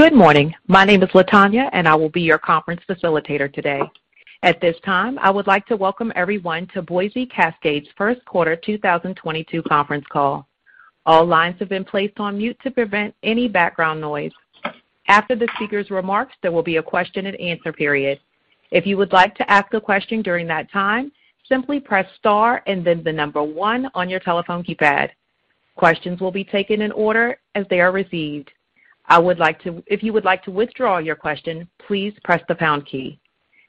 Good morning. My name is Latonya, and I will be your conference facilitator today. At this time, I would like to welcome everyone to Boise Cascade's first quarter 2022 conference call. All lines have been placed on mute to prevent any background noise. After the speaker's remarks, there will be a question and answer period. If you would like to ask a question during that time, simply press star and then the number one on your telephone keypad. Questions will be taken in order as they are received. If you would like to withdraw your question, please press the pound key.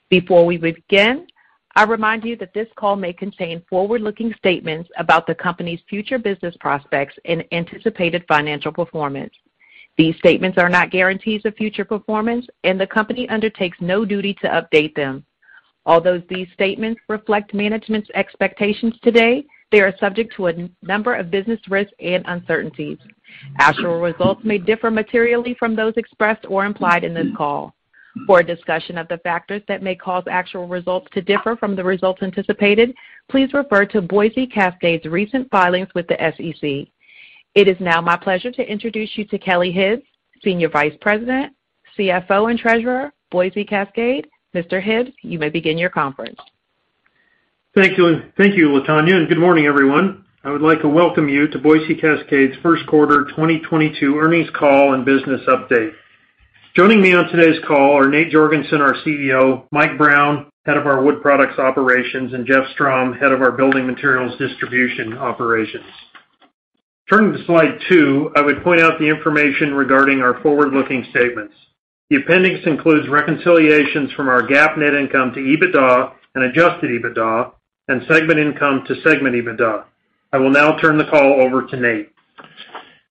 Before we begin, I remind you that this call may contain forward-looking statements about the company's future business prospects and anticipated financial performance. These statements are not guarantees of future performance, and the company undertakes no duty to update them. Although these statements reflect management's expectations today, they are subject to a number of business risks and uncertainties. Actual results may differ materially from those expressed or implied in this call. For a discussion of the factors that may cause actual results to differ from the results anticipated, please refer to Boise Cascade's recent filings with the SEC. It is now my pleasure to introduce you to Kelly Hibbs, Senior Vice President, CFO, and Treasurer, Boise Cascade. Mr. Hibbs, you may begin your conference. Thank you. Thank you, Latonya, and good morning, everyone. I would like to welcome you to Boise Cascade's first quarter 2022 earnings call and business update. Joining me on today's call are Nate Jorgensen, our CEO, Mike Brown, head of our Wood Products operations, and Jeff Strom, head of our Building Materials Distribution operations. Turning to slide two, I would point out the information regarding our forward-looking statements. The appendix includes reconciliations from our GAAP net income to EBITDA and adjusted EBITDA and segment income to segment EBITDA. I will now turn the call over to Nate.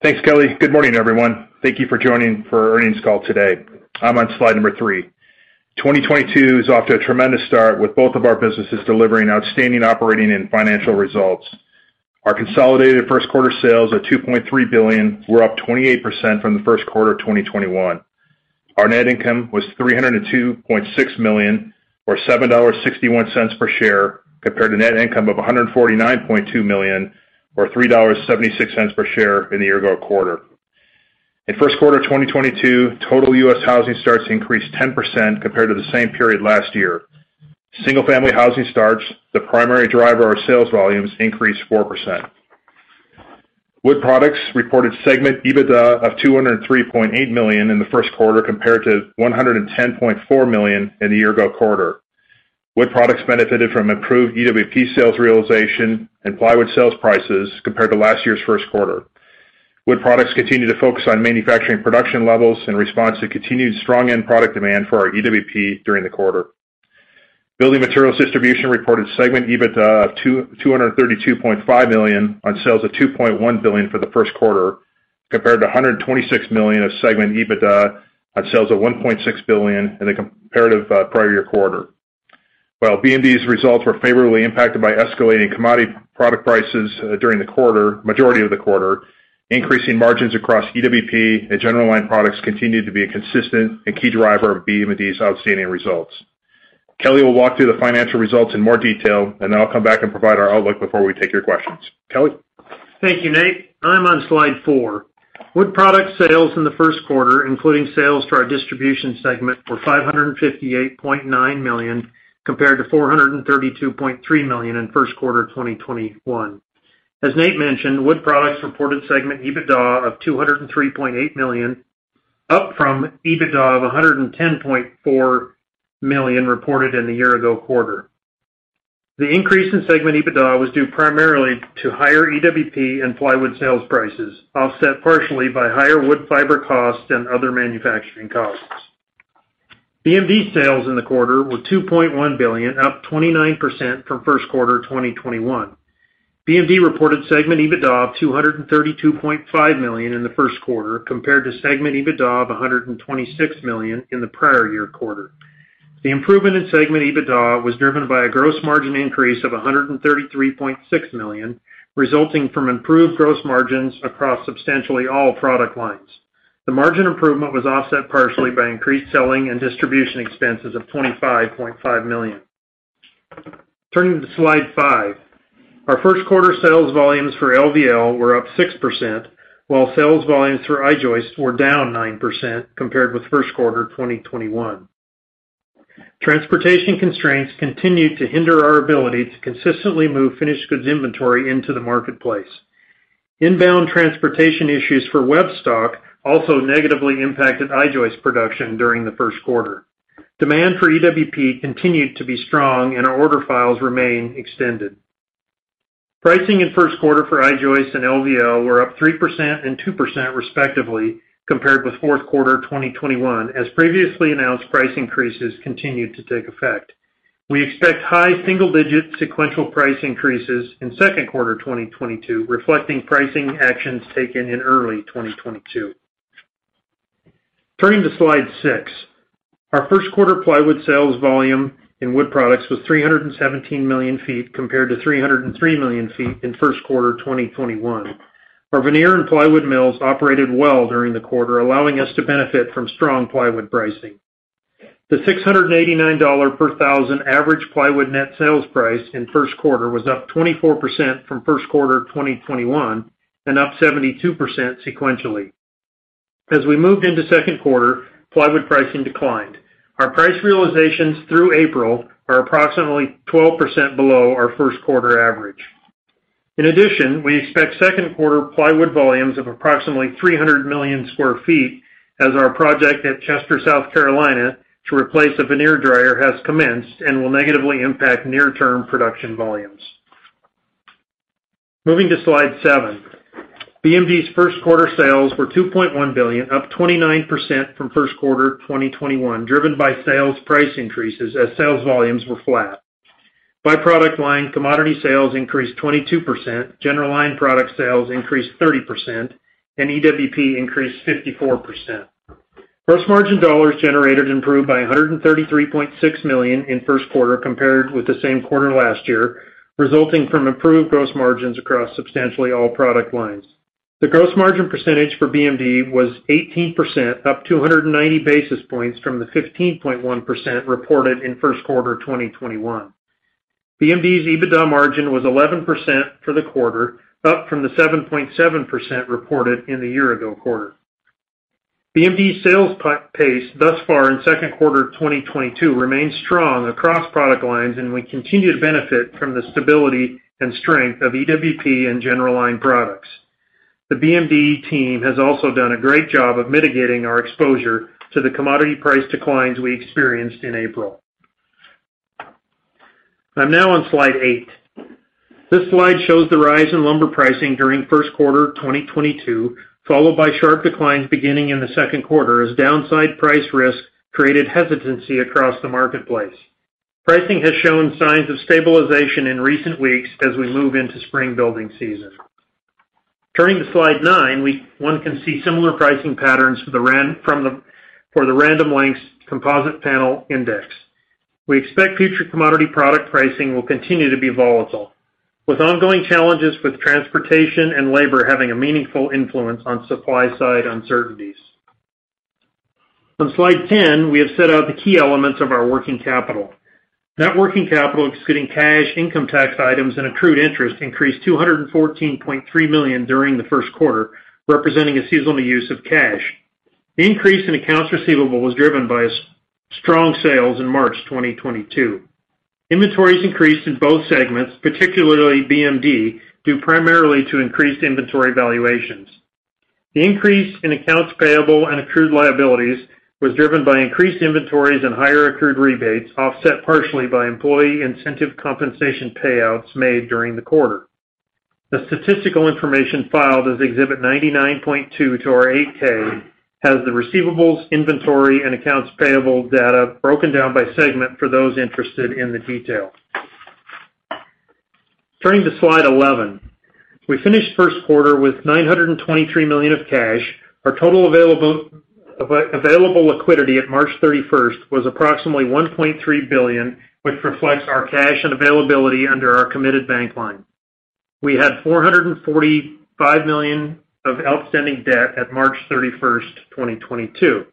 Thanks, Kelly. Good morning, everyone. Thank you for joining for our earnings call today. I'm on slide three. 2022 is off to a tremendous start with both of our businesses delivering outstanding operating and financial results. Our consolidated first quarter sales of $2.3 billion were up 28% from the first quarter of 2021. Our net income was $302.6 million, or $7.61 per share compared to net income of $149.2 million or $3.76 per share in the year ago quarter. In first quarter of 2022, total U.S. housing starts increased 10% compared to the same period last year. Single-family housing starts, the primary driver of our sales volumes, increased 4%. Wood Products reported segment EBITDA of $203.8 million in the first quarter compared to $110.4 million in the year ago quarter. Wood Products benefited from improved EWP sales realization and plywood sales prices compared to last year's first quarter. Wood Products continued to focus on manufacturing production levels in response to continued strong end product demand for our EWP during the quarter. Building Materials Distribution reported segment EBITDA of $232.5 million on sales of $2.1 billion for the first quarter, compared to $126 million of segment EBITDA on sales of $1.6 billion in the comparative prior year quarter. While BMD's results were favorably impacted by escalating commodity product prices during the majority of the quarter, increasing margins across EWP and general line products continued to be a consistent and key driver of BMD's outstanding results. Kelly will walk through the financial results in more detail, and then I'll come back and provide our outlook before we take your questions. Kelly. Thank you, Nate. I'm on slide four. Wood Products sales in the first quarter, including sales to our distribution segment, were $558.9 million, compared to $432.3 million in first quarter of 2021. As Nate mentioned, Wood Products reported segment EBITDA of $203.8 million, up from EBITDA of $110.4 million reported in the year ago quarter. The increase in segment EBITDA was due primarily to higher EWP and plywood sales prices, offset partially by higher wood fiber costs and other manufacturing costs. BMD sales in the quarter were $2.1 billion, up 29% from first quarter 2021. BMD reported segment EBITDA of $232.5 million in the first quarter compared to segment EBITDA of $126 million in the prior year quarter. The improvement in segment EBITDA was driven by a gross margin increase of $133.6 million, resulting from improved gross margins across substantially all product lines. The margin improvement was offset partially by increased selling and distribution expenses of $25.5 million. Turning to slide five. Our first quarter sales volumes for LVL were up 6%, while sales volumes for I-Joist were down 9% compared with first quarter 2021. Transportation constraints continued to hinder our ability to consistently move finished goods inventory into the marketplace. Inbound transportation issues for webstock also negatively impacted I-Joist production during the first quarter. Demand for EWP continued to be strong, and our order files remain extended. Pricing in first quarter for I-Joist and LVL were up 3% and 2% respectively compared with fourth quarter 2021 as previously announced price increases continued to take effect. We expect high single-digit sequential price increases in second quarter 2022, reflecting pricing actions taken in early 2022. Turning to slide six. Our first quarter plywood sales volume in Wood Products was 317 million feet compared to 303 million feet in first quarter 2021. Our veneer and plywood mills operated well during the quarter, allowing us to benefit from strong plywood pricing. The $689 per thousand average plywood net sales price in first quarter was up 24% from first quarter 2021, and up 72% sequentially. As we moved into second quarter, plywood pricing declined. Our price realizations through April are approximately 12% below our first quarter average. In addition, we expect second quarter plywood volumes of approximately 300 million sq ft as our project at Chester, South Carolina to replace a veneer dryer has commenced and will negatively impact near-term production volumes. Moving to slide seven. BMD's first quarter sales were $2.1 billion, up 29% from first quarter 2021, driven by sales price increases as sales volumes were flat. By product line, commodity sales increased 22%, general line product sales increased 30%, and EWP increased 54%. Gross margin dollars generated improved by $133.6 million in first quarter compared with the same quarter last year, resulting from improved gross margins across substantially all product lines. The gross margin percentage for BMD was 18%, up 290 basis points from the 15.1% reported in first quarter 2021. BMD's EBITDA margin was 11% for the quarter, up from the 7.7% reported in the year ago quarter. BMD's sales pace thus far in second quarter 2022 remains strong across product lines, and we continue to benefit from the stability and strength of EWP and general line products. The BMD team has also done a great job of mitigating our exposure to the commodity price declines we experienced in April. I'm now on slide eight. This slide shows the rise in lumber pricing during first quarter 2022, followed by sharp declines beginning in the second quarter as downside price risk created hesitancy across the marketplace. Pricing has shown signs of stabilization in recent weeks as we move into spring building season. Turning to slide nine, one can see similar pricing patterns for the Random Lengths composite panel index. We expect future commodity product pricing will continue to be volatile, with ongoing challenges with transportation and labor having a meaningful influence on supply-side uncertainties. On slide 10, we have set out the key elements of our working capital. Net working capital, excluding cash, income tax items, and accrued interest, increased $214.3 million during the first quarter, representing a seasonal use of cash. The increase in accounts receivable was driven by strong sales in March 2022. Inventories increased in both segments, particularly BMD, due primarily to increased inventory valuations. The increase in accounts payable and accrued liabilities was driven by increased inventories and higher accrued rebates, offset partially by employee incentive compensation payouts made during the quarter. The statistical information filed as Exhibit 99.2 to our 8-K has the receivables, inventory, and accounts payable data broken down by segment for those interested in the detail. Turning to slide 11. We finished first quarter with $923 million of cash. Our total available liquidity at March 31 was approximately $1.3 billion, which reflects our cash and availability under our committed bank line. We had $445 million of outstanding debt at March 31, 2022.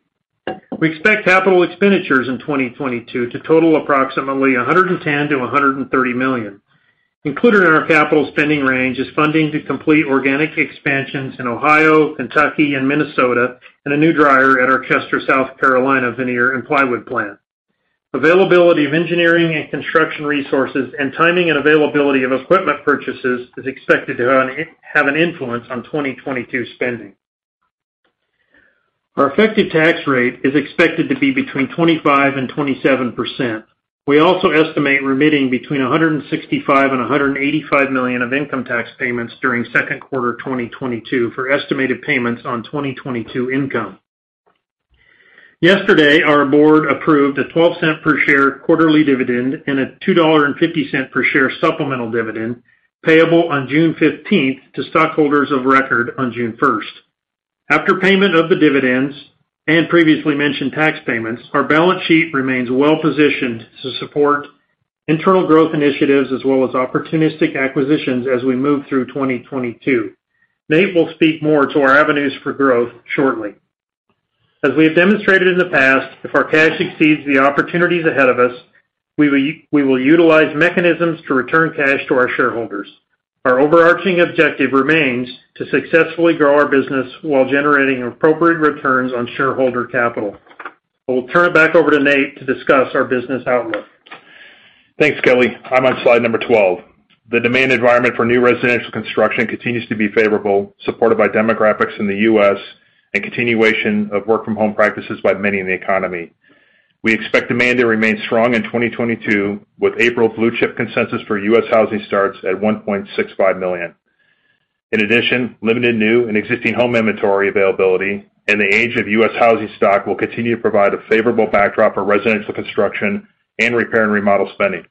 We expect capital expenditures in 2022 to total approximately $110 million-$130 million. Included in our capital spending range is funding to complete organic expansions in Ohio, Kentucky, and Minnesota, and a new dryer at our Chester, South Carolina veneer and plywood plant. Availability of engineering and construction resources and timing and availability of equipment purchases is expected to have an influence on 2022 spending. Our effective tax rate is expected to be between 25% to 27%. We also estimate remitting between $165 million and $185 million of income tax payments during Q2 2022 for estimated payments on 2022 income. Yesterday, our board approved a $0.12 per share quarterly dividend and a $2.50 per share supplemental dividend payable on June 15 to stockholders of record on June 1st. After payment of the dividends and previously mentioned tax payments, our balance sheet remains well-positioned to support internal growth initiatives as well as opportunistic acquisitions as we move through 2022. Nate will speak more to our avenues for growth shortly. As we have demonstrated in the past, if our cash exceeds the opportunities ahead of us, we will utilize mechanisms to return cash to our shareholders. Our overarching objective remains to successfully grow our business while generating appropriate returns on shareholder capital. I will turn it back over to Nate to discuss our business outlook. Thanks, Kelly. I'm on slide number 12. The demand environment for new residential construction continues to be favorable, supported by demographics in the U.S. and continuation of work from home practices by many in the economy. We expect demand to remain strong in 2022, with April blue chip consensus for U.S. housing starts at 1.65 million. In addition, limited new and existing home inventory availability and the age of U.S. housing stock will continue to provide a favorable backdrop for residential construction and repair and remodel spending.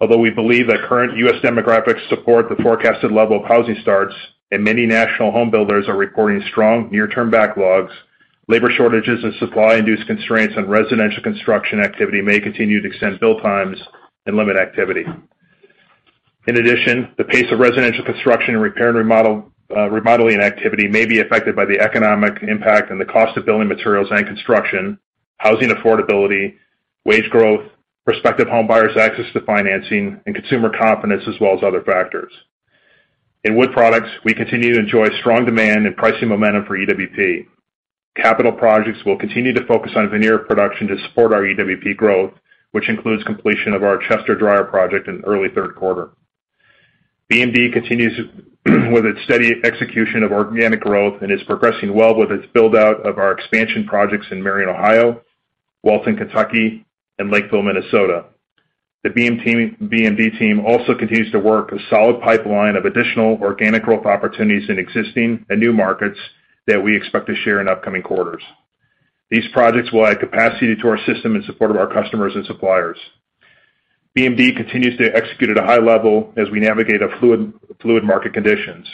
Although we believe that current U.S. demographics support the forecasted level of housing starts and many national home builders are reporting strong near-term backlogs, labor shortages and supply-induced constraints on residential construction activity may continue to extend build times and limit activity. In addition, the pace of residential construction and repair and remodel, remodeling activity may be affected by the economic impact and the cost of building materials and construction, housing affordability, wage growth, prospective home buyers access to financing and consumer confidence as well as other factors. In Wood Products, we continue to enjoy strong demand and pricing momentum for EWP. Capital projects will continue to focus on veneer production to support our EWP growth, which includes completion of our Chester Dryer project in early third quarter. BMD continues with its steady execution of organic growth and is progressing well with its build-out of our expansion projects in Marion, Ohio, Walton, Kentucky, and Lakeville, Minnesota. The BMD team also continues to work a solid pipeline of additional organic growth opportunities in existing and new markets that we expect to share in upcoming quarters. These projects will add capacity to our system in support of our customers and suppliers. BMD continues to execute at a high level as we navigate a fluid market conditions.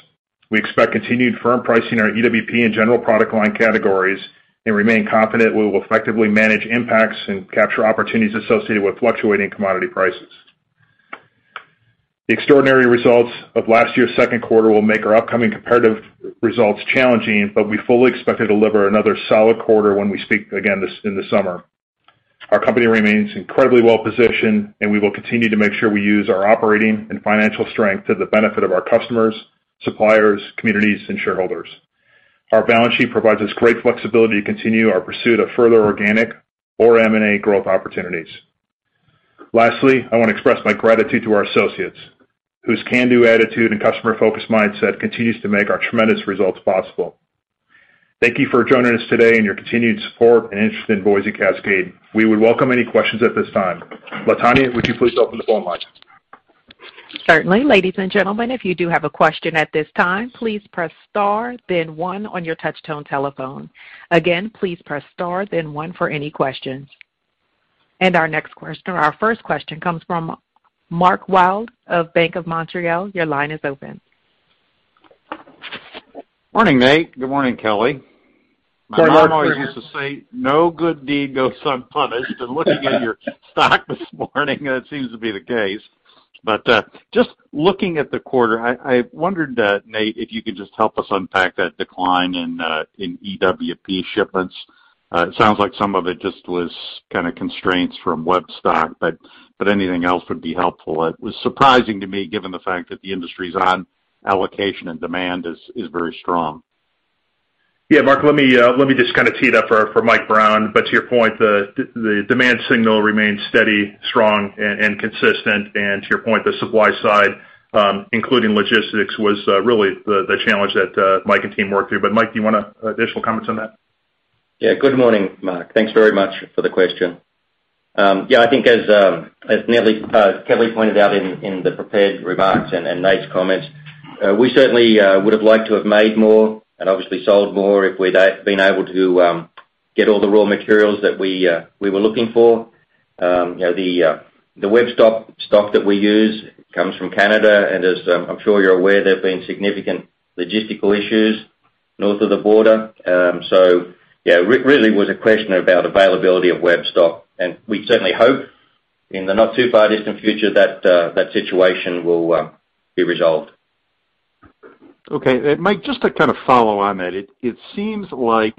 We expect continued firm pricing in our EWP and general product line categories and remain confident we will effectively manage impacts and capture opportunities associated with fluctuating commodity prices. The extraordinary results of last year's second quarter will make our upcoming comparative results challenging, but we fully expect to deliver another solid quarter when we speak again in the summer. Our company remains incredibly well-positioned, and we will continue to make sure we use our operating and financial strength to the benefit of our customers, suppliers, communities, and shareholders. Our balance sheet provides us great flexibility to continue our pursuit of further organic or M&A growth opportunities. Lastly, I want to express my gratitude to our associates, whose can-do attitude and customer-focused mindset continues to make our tremendous results possible. Thank you for joining us today and your continued support and interest in Boise Cascade. We would welcome any questions at this time. Latonya, would you please open the phone lines? Certainly. Ladies and gentlemen, if you do have a question at this time, please press star then one on your touch tone telephone. Again, please press star then one for any questions. Our first question comes from Mark Wilde of Bank of Montreal. Your line is open. Morning, Nate. Good morning, Kelly. Good morning. My mom always used to say, "No good deed goes unpunished." Looking at your stock this morning, that seems to be the case. Just looking at the quarter, I wondered, Nate, if you could just help us unpack that decline in EWP shipments. It sounds like some of it just was kinda constraints from web stock, but anything else would be helpful. It was surprising to me, given the fact that the industry's on allocation and demand is very strong. Yeah. Mark, let me just kind of tee it up for Mike Brown. To your point, the demand signal remains steady, strong, and consistent. To your point, the supply side, including logistics, was really the challenge that Mike and team worked through. Mike, do you want to add additional comments on that? Yeah. Good morning, Mark Wilde. Thanks very much for the question. I think as Nate Jorgensen pointed out in the prepared remarks and Nate's comments, we certainly would've liked to have made more and obviously sold more if we'd been able to get all the raw materials that we were looking for. You know, the webstock that we use comes from Canada. As I'm sure you're aware, there've been significant logistical issues north of the border. Yeah, really was a question about availability of webstock. We certainly hope in the not too far distant future that that situation will be resolved. Okay. Mike, just to kind of follow on that, it seems like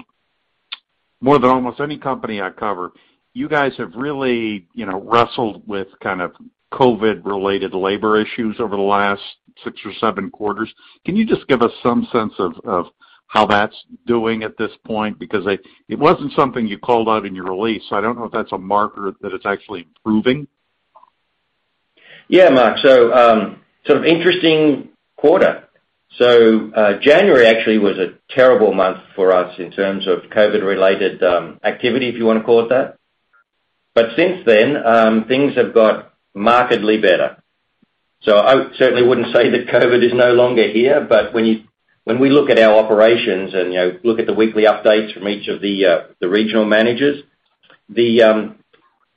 more than almost any company I cover, you guys have really, you know, wrestled with kind of COVID-related labor issues over the last six or seven quarters. Can you just give us some sense of how that's doing at this point? Because it wasn't something you called out in your release, so I don't know if that's a marker that it's actually improving. Yeah, Mark. Sort of interesting quarter. January actually was a terrible month for us in terms of COVID-related activity, if you wanna call it that. Since then, things have got markedly better. I certainly wouldn't say that COVID is no longer here, but when we look at our operations and, you know, look at the weekly updates from each of the regional managers, the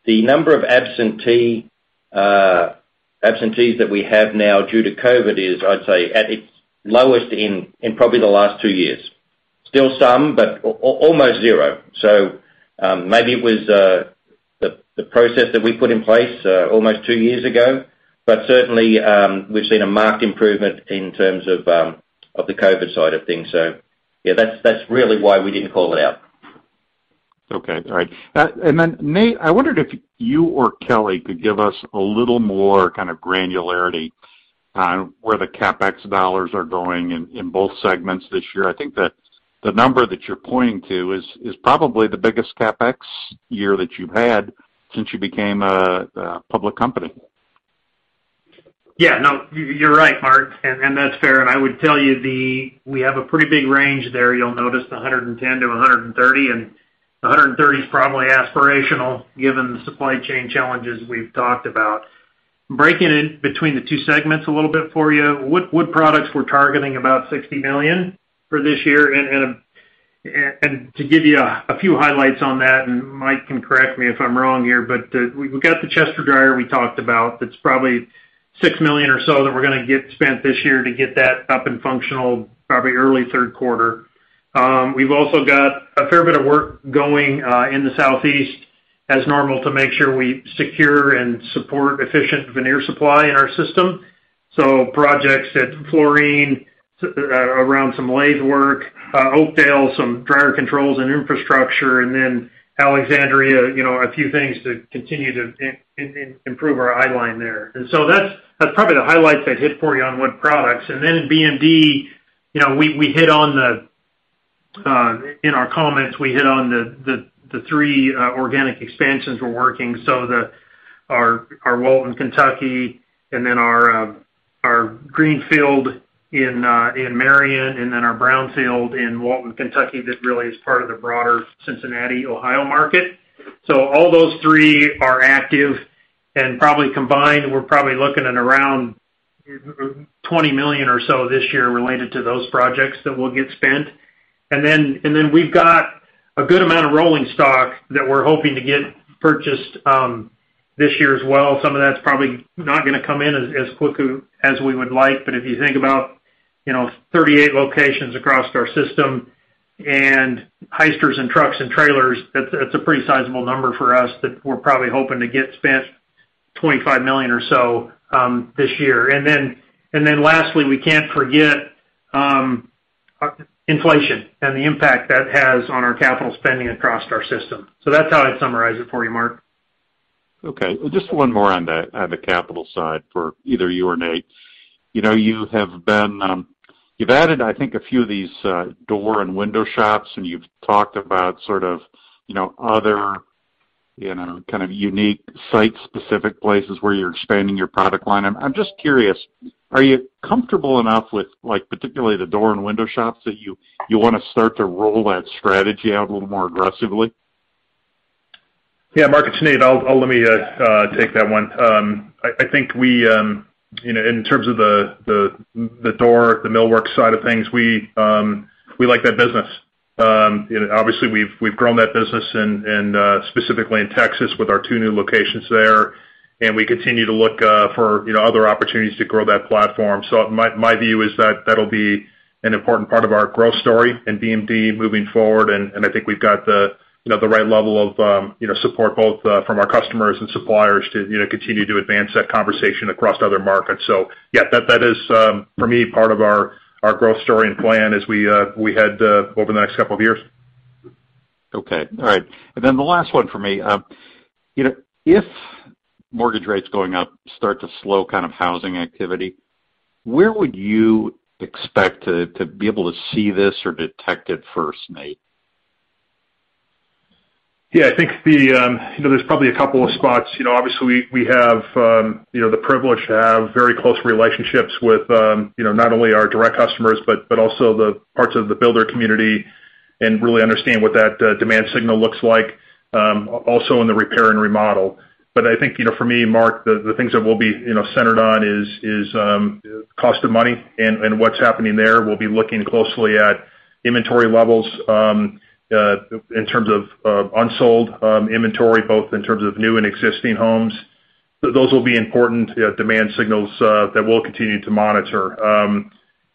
number of absentees that we have now due to COVID is, I'd say, at its lowest in probably the last two years. Still some, but almost zero. Maybe it was the process that we put in place almost two years ago. Certainly, we've seen a marked improvement in terms of the COVID side of things. Yeah, that's really why we didn't call it out. Okay. All right. Nate, I wondered if you or Kelly could give us a little more kind of granularity on where the CapEx dollars are going in both segments this year. I think the number that you're pointing to is probably the biggest CapEx year that you've had since you became a public company. Yeah. No. You're right, Mark, and that's fair. I would tell you we have a pretty big range there. You'll notice the 110 to 130, and 130 is probably aspirational given the supply chain challenges we've talked about. Breaking it between the two segments a little bit for you. Wood Products, we're targeting about $60 million for this year. To give you a few highlights on that, and Mike can correct me if I'm wrong here, but we've got the Chester dryer we talked about. That's probably $6 million or so that we're gonna get spent this year to get that up and functional probably early third quarter. We've also got a fair bit of work going in the Southeast as normal to make sure we secure and support efficient veneer supply in our system. Projects at Florien around some lathe work, Oakdale, some dryer controls and infrastructure, and then Alexandria, you know, a few things to continue to improve our I-line there. That's probably the highlights I'd hit for you on Wood Products. In BMD, you know, in our comments, we hit on the three organic expansions we're working, our Walton, Kentucky, and then our Greenfield in Marion, and then our brownfield in Walton, Kentucky, that really is part of the broader Cincinnati, Ohio market. All those three are active and probably combined, we're probably looking at around $20 million or so this year related to those projects that will get spent. We've got a good amount of rolling stock that we're hoping to get purchased this year as well. Some of that's probably not gonna come in as quick as we would like. If you think about, you know, 38 locations across our system and Hyster and trucks and trailers, that's a pretty sizable number for us that we're probably hoping to spend $25 million or so this year. Then lastly, we can't forget inflation and the impact that has on our capital spending across our system. That's how I'd summarize it for you, Mark. Okay. Just one more on the capital side for either you or Nate. You know, you have been, you've added, I think, a few of these door and window shops, and you've talked about sort of, you know, other kind of unique site-specific places where you're expanding your product line. I'm just curious, are you comfortable enough with like, particularly the door and window shops that you wanna start to roll that strategy out a little more aggressively? Yeah, Mark, it's Nate. I'll let me take that one. I think we, you know, in terms of the door, the millwork side of things, we like that business. You know, obviously we've grown that business and specifically in Texas with our two new locations there, and we continue to look for, you know, other opportunities to grow that platform. So my view is that that'll be an important part of our growth story in BMD moving forward, and I think we've got the, you know, the right level of, you know, support both from our customers and suppliers to, you know, continue to advance that conversation across other markets. Yeah, that is, for me, part of our growth story and plan as we head over the next couple of years. Okay. All right. Then the last one for me. You know, if mortgage rates going up start to slow kind of housing activity, where would you expect to be able to see this or detect it first, Nate? Yeah, I think you know, there's probably a couple of spots. You know, obviously we have you know, the privilege to have very close relationships with you know, not only our direct customers, but also the parts of the builder community and really understand what that demand signal looks like, also in the repair and remodel. I think, you know, for me, Mark, the things that we'll be you know, centered on is cost of money and what's happening there. We'll be looking closely at inventory levels in terms of unsold inventory, both in terms of new and existing homes. Those will be important demand signals that we'll continue to monitor. I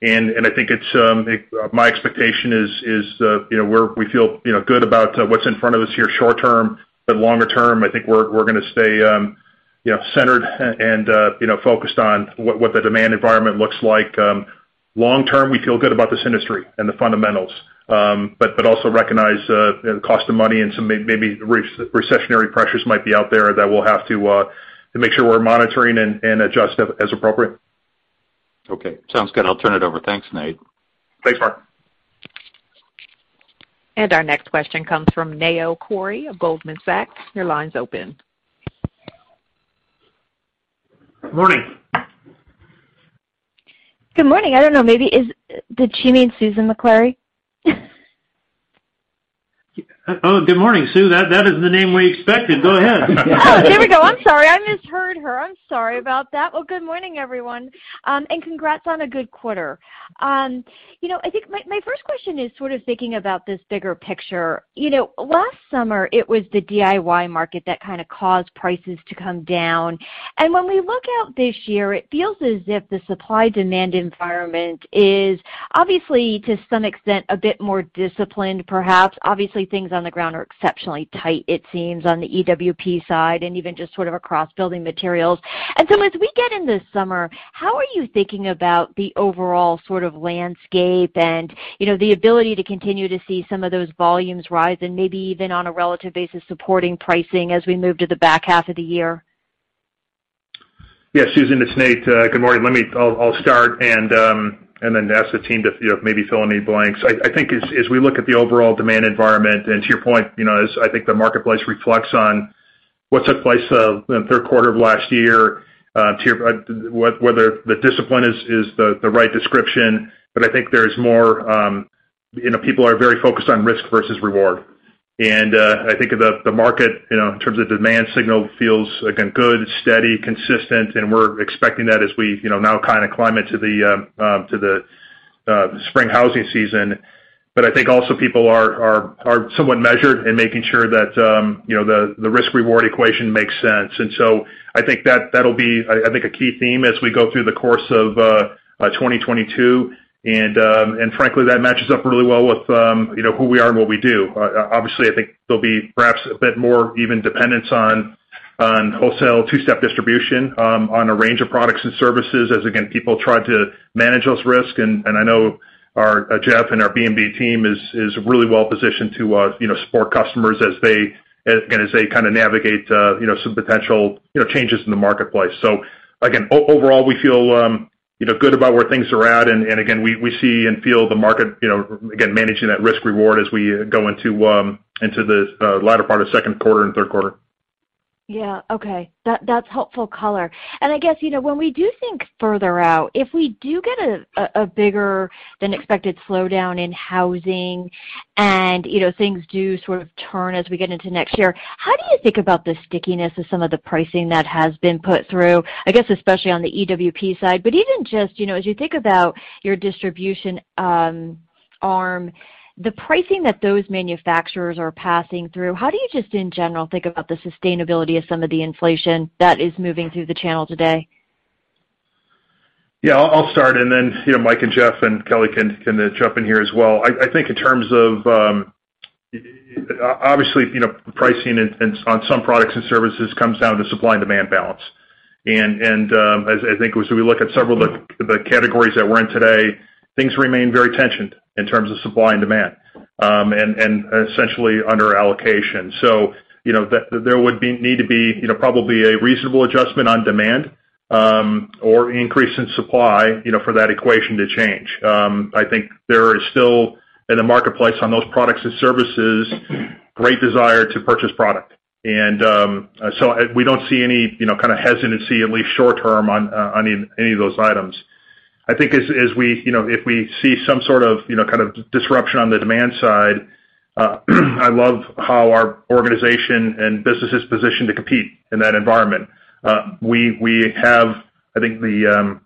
think it's my expectation is you know, we feel you know, good about what's in front of us here short term, but longer term, I think we're gonna stay you know, centered and you know, focused on what the demand environment looks like. Long term, we feel good about this industry and the fundamentals, but also recognize the cost of money and some maybe recessionary pressures might be out there that we'll have to make sure we're monitoring and adjust as appropriate. Okay. Sounds good. I'll turn it over. Thanks, Nate. Thanks, Mark. Our next question comes from Susan Maklari of Goldman Sachs. Your line's open. Morning. Good morning. I don't know. Did she mean Susan Oh, good morning, Sue. That is the name we expected. Go ahead. Oh, there we go. I'm sorry. I misheard her. I'm sorry about that. Well, good morning, everyone, and congrats on a good quarter. You know, I think my first question is sort of thinking about this bigger picture. You know, last summer it was the DIY market that kind of caused prices to come down. When we look out this year, it feels as if the supply-demand environment is obviously to some extent, a bit more disciplined, perhaps. Obviously, things on the ground are exceptionally tight, it seems, on the EWP side and even just sort of across building materials. As we get into summer, how are you thinking about the overall sort of landscape and, you know, the ability to continue to see some of those volumes rise and maybe even on a relative basis, supporting pricing as we move to the back half of the year? Yeah, Susan, it's Nate. Good morning. Let me, I'll start and then ask the team to, you know, maybe fill in any blanks. I think as we look at the overall demand environment, and to your point, you know, as I think the marketplace reflects on what took place in the third quarter of last year, to your whether the discipline is the right description, but I think there's more, you know, people are very focused on risk versus reward. I think the market, you know, in terms of demand signal feels, again, good, steady, consistent, and we're expecting that as we, you know, now kinda climb into the spring housing season. I think also people are somewhat measured in making sure that, you know, the risk-reward equation makes sense. I think that that'll be, I think a key theme as we go through the course of 2022. Frankly, that matches up really well with, you know, who we are and what we do. Obviously, I think there'll be perhaps a bit more even dependence on wholesale two-step distribution, on a range of products and services as, again, people try to manage those risks. I know our Jeff and our BMD team is really well positioned to, you know, support customers as they, again, as they kinda navigate, you know, some potential changes in the marketplace. Again, overall, we feel, you know, good about where things are at. Again, we see and feel the market, you know, again, managing that risk-reward as we go into the latter part of second quarter and third quarter. Yeah. Okay. That's helpful color. I guess, you know, when we do think further out, if we do get a bigger than expected slowdown in housing, and, you know, things do sort of turn as we get into next year, how do you think about the stickiness of some of the pricing that has been put through, I guess, especially on the EWP side? Even just, you know, as you think about your distribution arm, the pricing that those manufacturers are passing through, how do you just in general think about the sustainability of some of the inflation that is moving through the channel today? Yeah, I'll start, and then, you know, Mike and Jeff and Kelly can jump in here as well. I think in terms of, obviously, you know, pricing and on some products and services comes down to supply and demand balance. As I think as we look at several of the categories that we're in today, things remain very tensioned in terms of supply and demand, and essentially under allocation. You know, there would need to be, you know, probably a reasonable adjustment on demand, or increase in supply, you know, for that equation to change. I think there is still in the marketplace on those products and services, great desire to purchase product. We don't see any, you know, kind of hesitancy, at least short term on any of those items. I think as we, you know, if we see some sort of, you know, kind of disruption on the demand side, I love how our organization and business is positioned to compete in that environment. We have, I think, you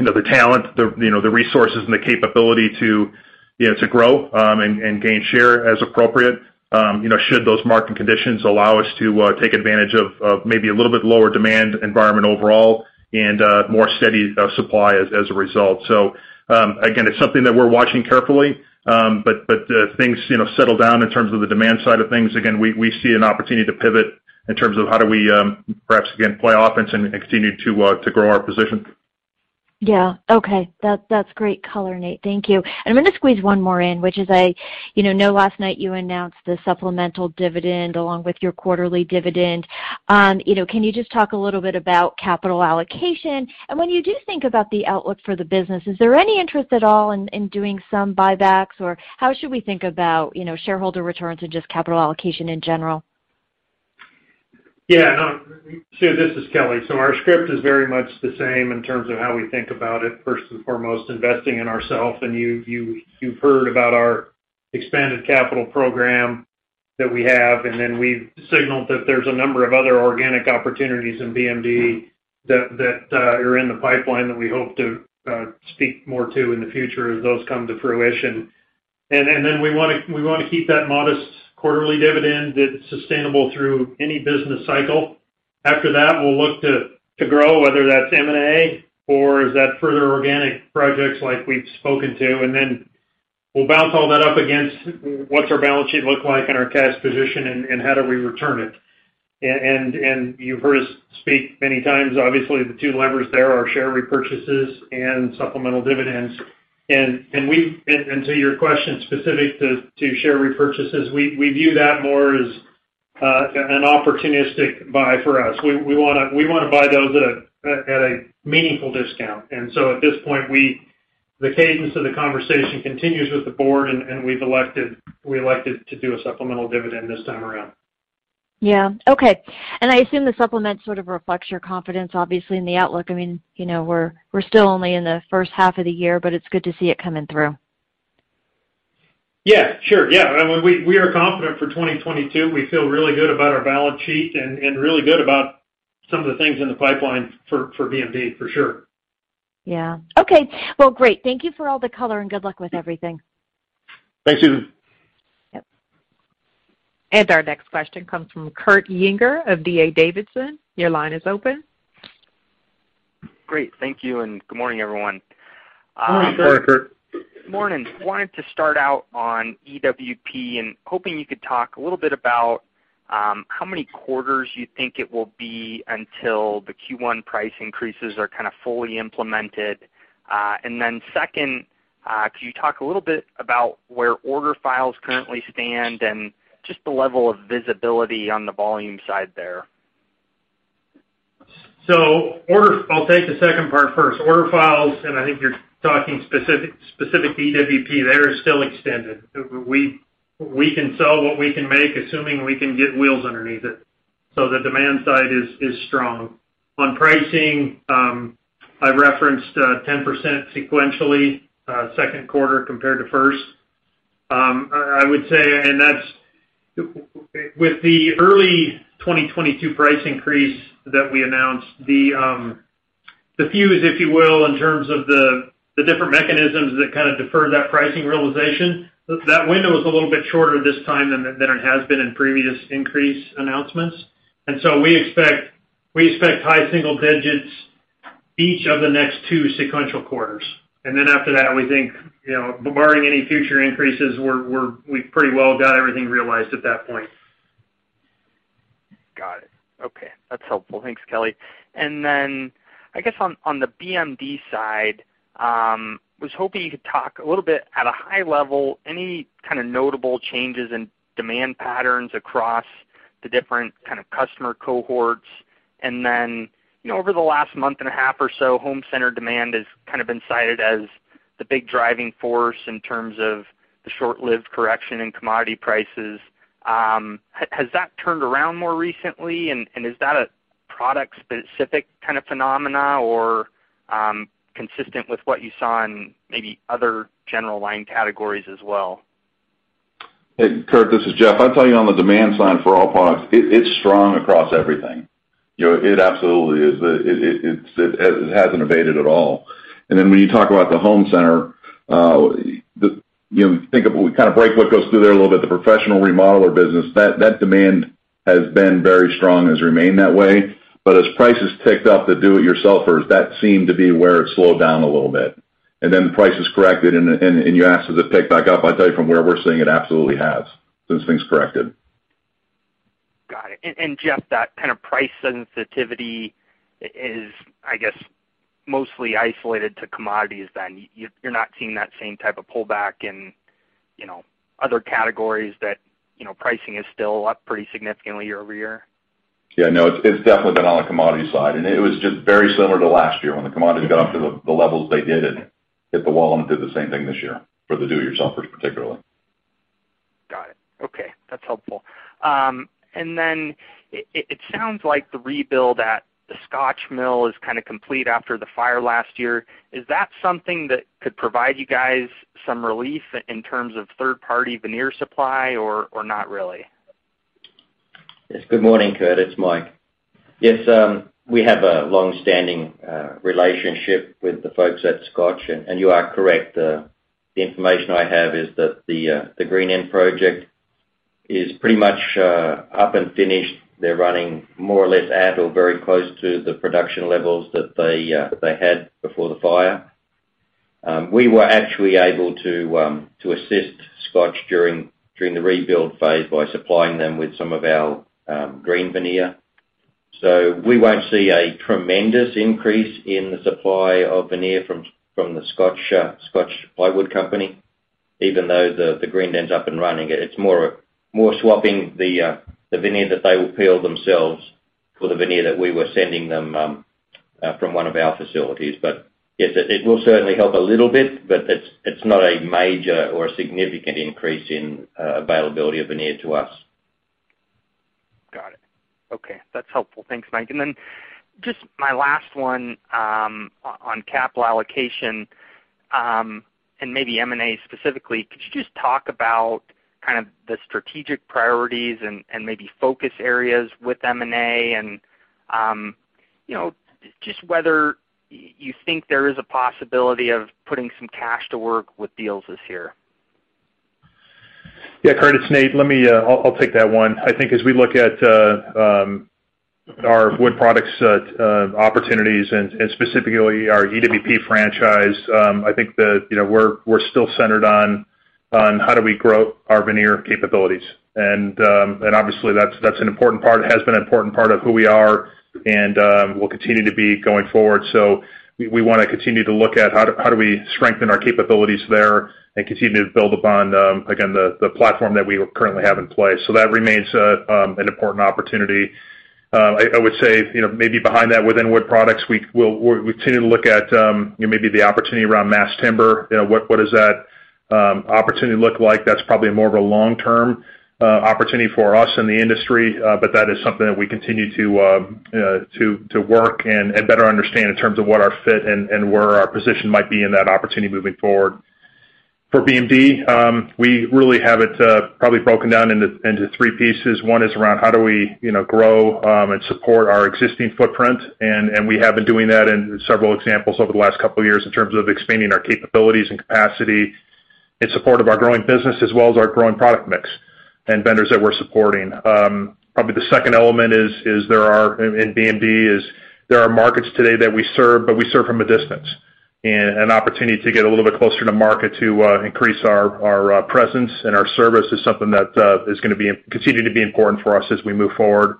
know, the talent, you know, the resources and the capability to, you know, to grow, and gain share as appropriate, you know, should those market conditions allow us to take advantage of maybe a little bit lower demand environment overall and more steady supply as a result. Again, it's something that we're watching carefully, but the things, you know, settle down in terms of the demand side of things. Again, we see an opportunity to pivot in terms of how do we perhaps again play offense and continue to grow our position. Yeah. Okay. That's great color, Nate. Thank you. I'm gonna squeeze one more in, which is, you know, I know last night you announced the supplemental dividend along with your quarterly dividend. You know, can you just talk a little bit about capital allocation? When you do think about the outlook for the business, is there any interest at all in doing some buybacks? Or how should we think about, you know, shareholder returns or just capital allocation in general? Yeah. Sue, this is Kelly. Our script is very much the same in terms of how we think about it, first and foremost, investing in ourselves. You've heard about our expanded capital program that we have, and then we've signaled that there's a number of other organic opportunities in BMD that are in the pipeline that we hope to speak more to in the future as those come to fruition. We want to keep that modest quarterly dividend that's sustainable through any business cycle. After that, we'll look to grow, whether that's M&A or further organic projects like we've spoken to. We'll bounce all that up against what our balance sheet looks like and our cash position and how we return it. You've heard us speak many times. Obviously, the two levers there are share repurchases and supplemental dividends. To your question specific to share repurchases, we view that more as an opportunistic buy for us. We wanna buy those at a meaningful discount. At this point, the cadence of the conversation continues with the board, and we've elected to do a supplemental dividend this time around. Yeah. Okay. I assume the supplement sort of reflects your confidence, obviously in the outlook. I mean, you know, we're still only in the first half of the year, but it's good to see it coming through. Yeah, sure. Yeah. I mean, we are confident for 2022. We feel really good about our balance sheet and really good about some of the things in the pipeline for BMD, for sure. Yeah. Okay. Well, great. Thank you for all the color, and good luck with everything. Thanks, Susan. Yep. Our next question comes from Kurt Yinger of D.A. Davidson. Your line is open. Great. Thank you, and good morning, everyone. Good morning, Kurt. Morning. Wanted to start out on EWP and hoping you could talk a little bit about how many quarters you think it will be until the Q1 price increases are kind of fully implemented? Second, can you talk a little bit about where order files currently stand and just the level of visibility on the volume side there? I'll take the second part first. Order files, and I think you're talking specific to EWP, they are still extended. We can sell what we can make, assuming we can get wheels underneath it. The demand side is strong. On pricing, I referenced 10% sequentially, second quarter compared to first. I would say that's with the early 2022 price increase that we announced, the fuse, if you will, in terms of the different mechanisms that kind of defer that pricing realization, that window is a little bit shorter this time than it has been in previous increase announcements. We expect high single digits each of the next two sequential quarters. After that, we think, you know, barring any future increases, we've pretty well got everything realized at that point. Got it. Okay. That's helpful. Thanks, Kelly. I guess on the BMD side, was hoping you could talk a little bit at a high level any kind of notable changes in demand patterns across the different kind of customer cohorts. Over the last month and a half or so, home center demand has kind of been cited as the big driving force in terms of the short-lived correction in commodity prices. Has that turned around more recently? Is that a product specific kind of phenomena or, consistent with what you saw in maybe other general line categories as well? Hey, Kurt, this is Jeff. I'll tell you on the demand side for all products, it's strong across everything. You know, it absolutely is. It hasn't abated at all. Then when you talk about the home center, you know, think of when we kind of break what goes through there a little bit, the professional remodeler business, that demand has been very strong, has remained that way. But as prices ticked up, the do-it-yourselfers, that seemed to be where it slowed down a little bit. Then the prices corrected and you asked if it picked back up. I tell you from where we're sitting, it absolutely has, since things corrected. Got it. Jeff, that kind of price sensitivity is, I guess, mostly isolated to commodities then. You're not seeing that same type of pullback in, you know, other categories that, you know, pricing is still up pretty significantly year-over-year? Yeah, no, it's definitely been on the commodity side. It was just very similar to last year when the commodities got up to the levels they did, it hit the wall and it did the same thing this year for the do-it-yourselfers particularly. Got it. Okay, that's helpful. It sounds like the rebuild at the Scotch mill is kind of complete after the fire last year. Is that something that could provide you guys some relief in terms of third-party veneer supply or not really? Yes. Good morning, Kurt. It's Mike. Yes, we have a long-standing relationship with the folks at Swanson. You are correct. The information I have is that the green end project is pretty much up and finished. They're running more or less at or very close to the production levels that they had before the fire. We were actually able to assist Swanson during the rebuild phase by supplying them with some of our green veneer. We won't see a tremendous increase in the supply of veneer from the Swanson Group Plywood, even though the green end's up and running. It's more swapping the veneer that they will peel themselves for the veneer that we were sending them from one of our facilities. Yes, it will certainly help a little bit, but it's not a major or a significant increase in availability of veneer to us. Got it. Okay. That's helpful. Thanks, Mike. Just my last one, on capital allocation, and maybe M&A specifically. Could you just talk about kind of the strategic priorities and maybe focus areas with M&A? You know, just whether you think there is a possibility of putting some cash to work with deals this year. Yeah, Kurt, it's Nate. Let me, I'll take that one. I think as we look at our wood products opportunities and specifically our EWP franchise, I think that, you know, we're still centered on how do we grow our veneer capabilities. Obviously that's an important part, it has been an important part of who we are and will continue to be going forward. We wanna continue to look at how do we strengthen our capabilities there and continue to build upon again the platform that we currently have in place. That remains an important opportunity. I would say, you know, maybe behind that within wood products, we continue to look at, you know, maybe the opportunity around mass timber, you know, what does that opportunity look like? That's probably more of a long-term opportunity for us in the industry. That is something that we continue to work and better understand in terms of what our fit and where our position might be in that opportunity moving forward. For BMD, we really have it probably broken down into three pieces. One is around how do we, you know, grow and support our existing footprint. We have been doing that in several examples over the last couple of years in terms of expanding our capabilities and capacity in support of our growing business as well as our growing product mix and vendors that we're supporting. Probably the second element is in BMD there are markets today that we serve, but we serve from a distance. An opportunity to get a little bit closer to market to increase our presence and our service is something that is gonna continue to be important for us as we move forward.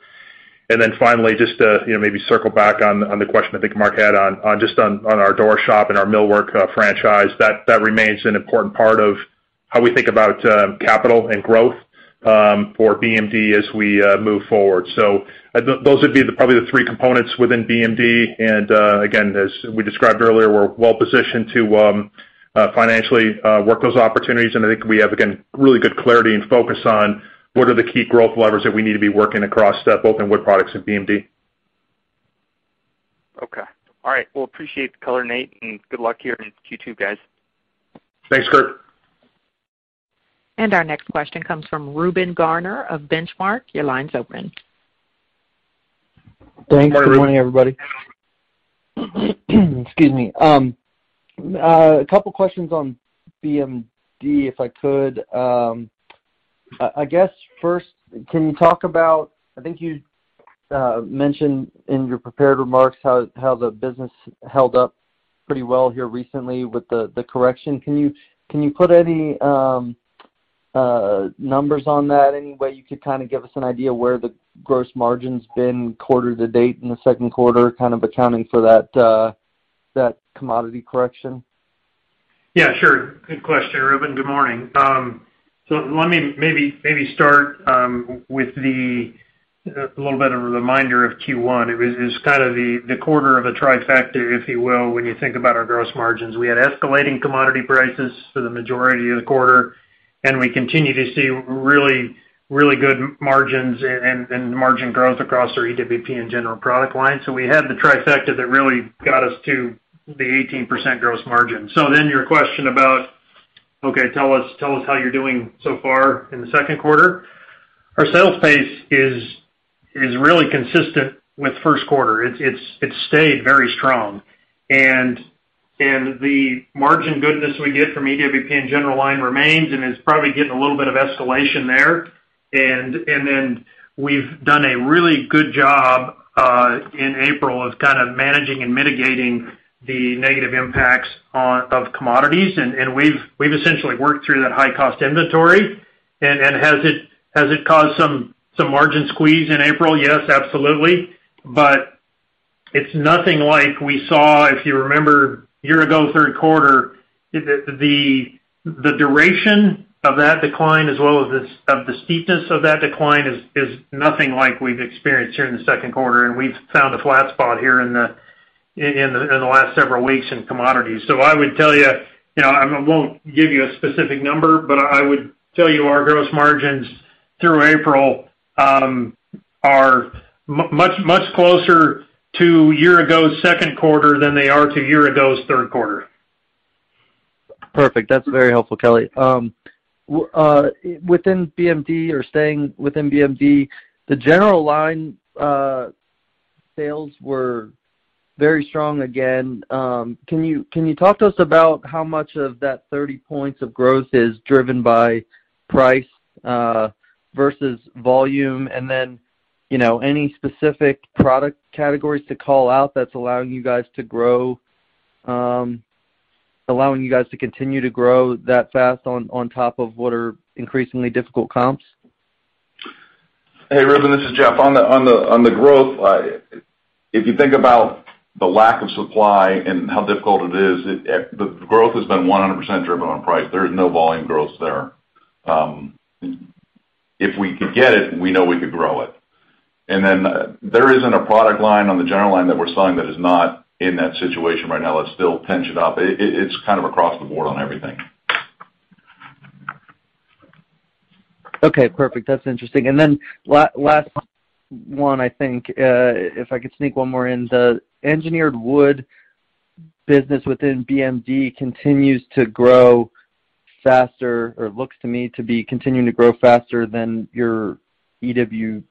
Then finally, just to you know maybe circle back on the question I think Mark had on just on our door shop and our millwork franchise, that remains an important part of how we think about capital and growth for BMD as we move forward. Those would be probably the three components within BMD. Again as we described earlier, we're well positioned to financially work those opportunities. I think we have again really good clarity and focus on what are the key growth levers that we need to be working across both in wood products and BMD. All right. Well, appreciate the color, Nate, and good luck here in Q2, guys. Thanks, Kurt. Our next question comes from Reuben Garner of Benchmark. Your line's open. Thanks. Good morning, everybody. Excuse me. A couple questions on BMD, if I could. I guess first, can you talk about. I think you mentioned in your prepared remarks how the business held up pretty well here recently with the correction. Can you put any numbers on that any way you could kinda give us an idea where the gross margin's been quarter to date in the second quarter, kind of accounting for that commodity correction? Yeah, sure. Good question, Reuben. Good morning. Let me maybe start with a little bit of a reminder of Q1. It was just kind of the quarter of a trifecta, if you will, when you think about our gross margins. We had escalating commodity prices for the majority of the quarter, and we continue to see really good margins and margin growth across our EWP and general product line. We had the trifecta that really got us to the 18% gross margin. Your question about, okay, tell us how you're doing so far in the second quarter. Our sales pace is really consistent with first quarter. It's stayed very strong. The margin goodness we get from EWP and general line remains, and it's probably getting a little bit of escalation there. We've done a really good job in April of kind of managing and mitigating the negative impacts of commodities. We've essentially worked through that high-cost inventory. Has it caused some margin squeeze in April? Yes, absolutely. It's nothing like we saw, if you remember, a year ago, third quarter. The duration of that decline as well as of the steepness of that decline is nothing like we've experienced here in the second quarter, and we've found a flat spot here in the last several weeks in commodities. I would tell you know, I won't give you a specific number, but I would tell you our gross margins through April are much closer to year ago's second quarter than they are to year ago's third quarter. Perfect. That's very helpful, Kelly. Within BMD or staying within BMD, the general line, sales were very strong again. Can you talk to us about how much of that 30 points of growth is driven by price versus volume? And then, you know, any specific product categories to call out that's allowing you guys to grow, allowing you guys to continue to grow that fast on top of what are increasingly difficult comps? Hey, Reuben, this is Jeff. On the growth, if you think about the lack of supply and how difficult it is, the growth has been 100% driven on price. There is no volume growth there. If we could get it, we know we could grow it. There isn't a product line on the general line that we're selling that is not in that situation right now that's still tensioned up. It's kind of across the board on everything. Okay. Perfect. That's interesting. Last one, I think, if I could sneak one more in. The engineered wood business within BMD continues to grow faster or looks to me to be continuing to grow faster than your EWP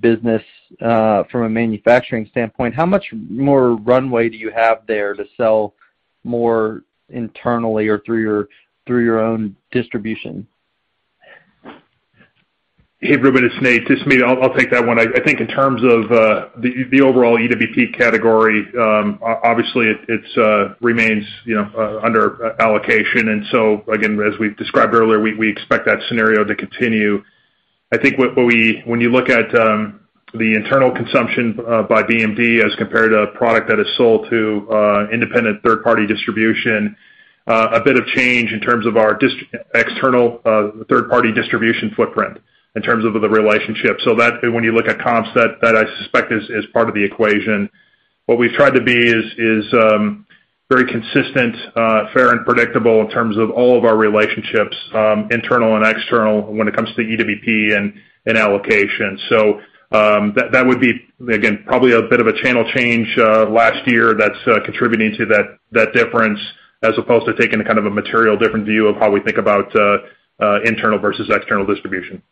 business, from a manufacturing standpoint. How much more runway do you have there to sell more internally or through your own distribution? Hey, Reuben, it's Nate. Just me. I'll take that one. I think in terms of the overall EWP category, obviously, it remains, you know, under allocation. Again, as we've described earlier, we expect that scenario to continue. I think when you look at the internal consumption by BMD as compared to a product that is sold to independent third-party distribution, a bit of change in terms of our external third-party distribution footprint in terms of the relationship. So that when you look at comps, that I suspect is part of the equation. What we've tried to be is very consistent, fair, and predictable in terms of all of our relationships, internal and external when it comes to EWP and allocation. That would be, again, probably a bit of a channel change last year that's contributing to that difference, as opposed to taking a kind of a material different view of how we think about internal versus external distribution.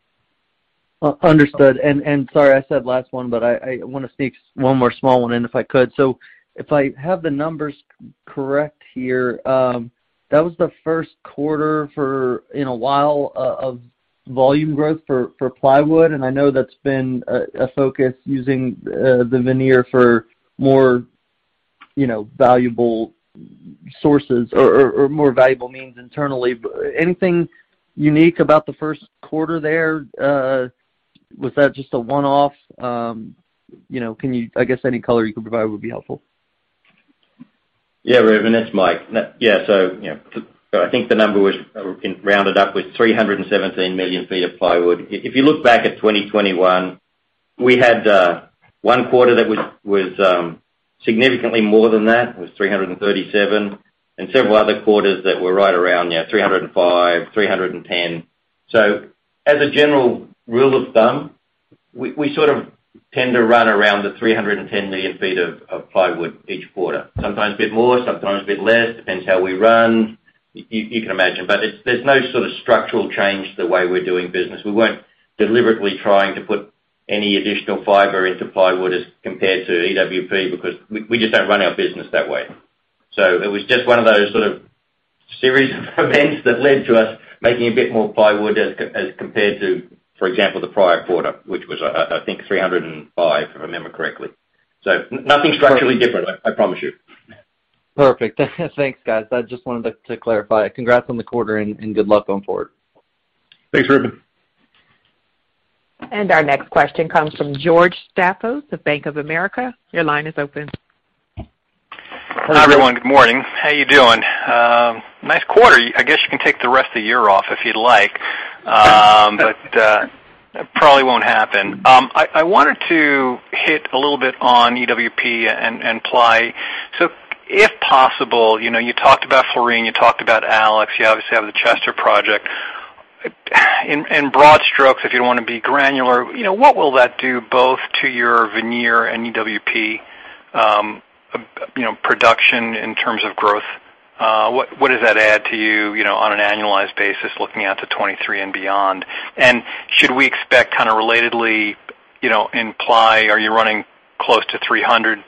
Understood. Sorry, I said last one, but I wanna sneak one more small one in, if I could. If I have the numbers correct here, that was the first quarter in a while of volume growth for plywood, and I know that's been a focus using the veneer for more, you know, valuable uses or more valuable means internally. Anything unique about the first quarter there? Was that just a one-off? You know, I guess any color you could provide would be helpful. Yeah, Reuben, it's Mike. Yeah. You know, I think the number was, in rounded up was 317 million feet of plywood. If you look back at 2021, we had one quarter that was significantly more than that. It was 337, and several other quarters that were right around, you know, 305, 310. As a general rule of thumb, we sort of tend to run around the 310 million feet of plywood each quarter. Sometimes a bit more, sometimes a bit less, depends how we run. You can imagine. But it's, there's no sort of structural change the way we're doing business. We weren't deliberately trying to put any additional fiber into plywood as compared to EWP because we just don't run our business that way. It was just one of those sort of series of events that led to us making a bit more plywood as compared to, for example, the prior quarter, which was, I think, 305, if I remember correctly. Nothing structurally different, I promise you. Perfect. Thanks, guys. I just wanted to clarify. Congrats on the quarter and good luck going forward. Thanks, Reuben. Our next question comes from George Staphos of Bank of America. Your line is open. Hi, everyone. Good morning. How you doing? Nice quarter. I guess you can take the rest of the year off if you'd like. Probably won't happen. I wanted to hit a little bit on EWP and ply. If possible, you know, you talked about Florien, you talked about Alex, you obviously have the Chester project. In broad strokes, if you don't wanna be granular, you know, what will that do both to your veneer and EWP, you know, production in terms of growth? What does that add to you know, on an annualized basis looking out to 2023 and beyond? Should we expect kinda relatedly, you know, in ply, are you running close to 300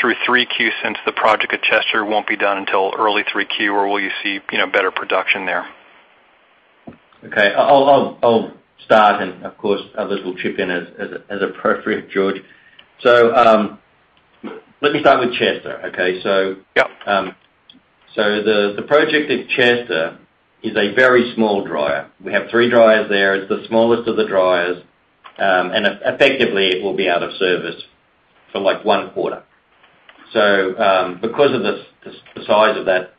through 3Q since the project at Chester won't be done until early 3Q, or will you see, you know, better production there? Okay. I'll start and of course, others will chip in as appropriate, George. Let me start with Chester. Okay? Yep. The project at Chester is a very small dryer. We have three dryers there. It's the smallest of the dryers. Effectively it will be out of service for, like, one quarter. Because of the size of that,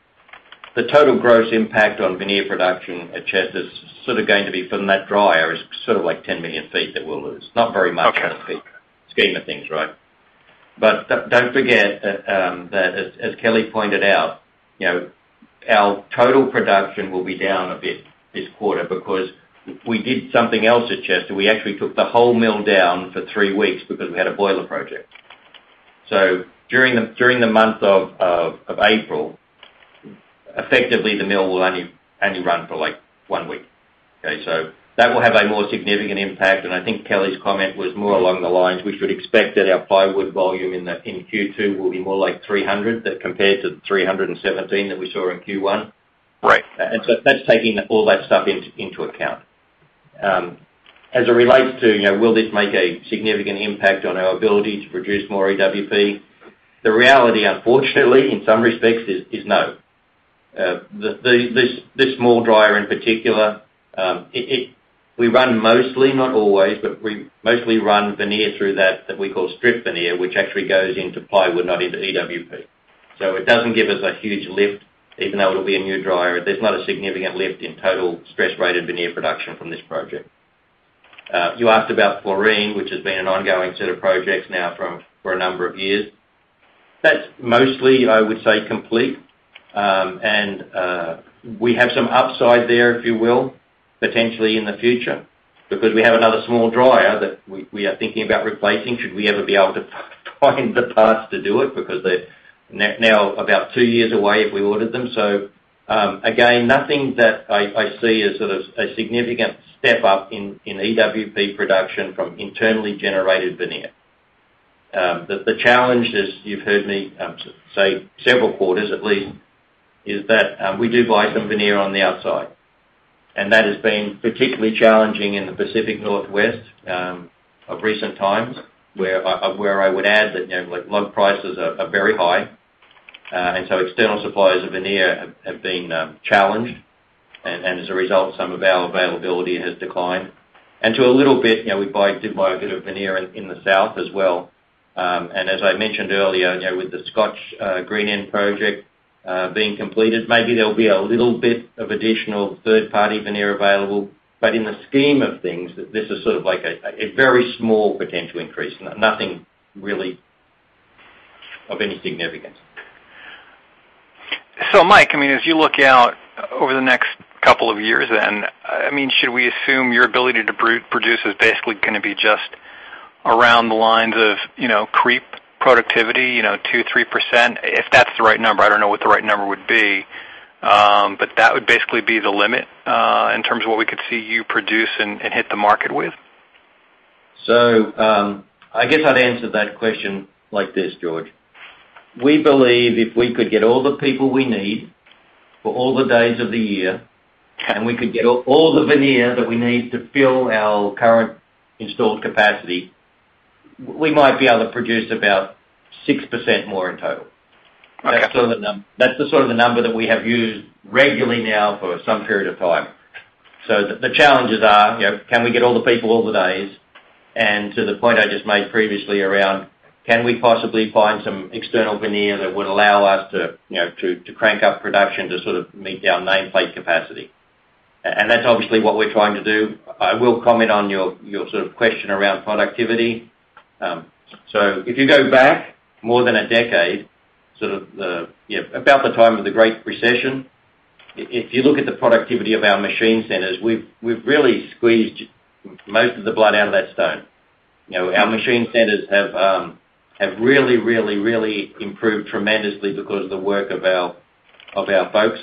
the total gross impact on veneer production at Chester is sort of going to be from that dryer is sort of like 10 million feet that we'll lose. Not very much. Okay. In the scheme of things, right? Don't forget that as Kelly pointed out, you know, our total production will be down a bit this quarter because we did something else at Chester. We actually took the whole mill down for three weeks because we had a boiler project. During the month of April, effectively the mill will only run for, like, one week. Okay? That will have a more significant impact, and I think Kelly's comment was more along the lines we should expect that our plywood volume in Q2 will be more like 300 than compared to the 317 that we saw in Q1. Right. That's taking all that stuff into account. As it relates to, you know, will this make a significant impact on our ability to produce more EWP? The reality, unfortunately, in some respects is no. This small dryer in particular, we run mostly, not always, but we mostly run veneer through that that we call strip veneer, which actually goes into plywood, not into EWP. It doesn't give us a huge lift, even though it'll be a new dryer. There's not a significant lift in total stress-rated veneer production from this project. You asked about Florien, which has been an ongoing set of projects now for a number of years. That's mostly, I would say, complete. We have some upside there, if you will, potentially in the future because we have another small dryer that we are thinking about replacing should we ever be able to find the parts to do it because they're now about two years away if we ordered them. Again, nothing that I see as sort of a significant step up in EWP production from internally generated veneer. The challenge, as you've heard me say several quarters at least, is that we do buy some veneer on the outside, and that has been particularly challenging in the Pacific Northwest of recent times, where I would add that, you know, like, log prices are very high. External suppliers of veneer have been challenged. As a result, some of our availability has declined. Too a little bit, you know, we did buy a bit of veneer in the South as well. As I mentioned earlier, you know, with the Scotch green end project being completed, maybe there'll be a little bit of additional third-party veneer available. But in the scheme of things, this is sort of like a very small potential increase. Nothing really of any significance. Mike, I mean, as you look out over the next couple of years then, I mean, should we assume your ability to produce is basically gonna be just along the lines of, you know, creep productivity, you know, 2% to 3%? If that's the right number. I don't know what the right number would be. That would basically be the limit, in terms of what we could see you produce and hit the market with? I guess I'd answer that question like this, George. We believe if we could get all the people we need for all the days of the year, and we could get all the veneer that we need to fill our current installed capacity, we might be able to produce about 6% more in total. Okay. That's the sort of number that we have used regularly now for some period of time. The challenges are, you know, can we get all the people all the days? To the point I just made previously around can we possibly find some external veneer that would allow us to, you know, crank up production to sort of meet our nameplate capacity. That's obviously what we're trying to do. I will comment on your sort of question around productivity. If you go back more than a decade, sort of, you know, about the time of the Great Recession. If you look at the productivity of our machine centers, we've really squeezed most of the blood out of that stone. You know, our machine centers have really improved tremendously because of the work of our folks.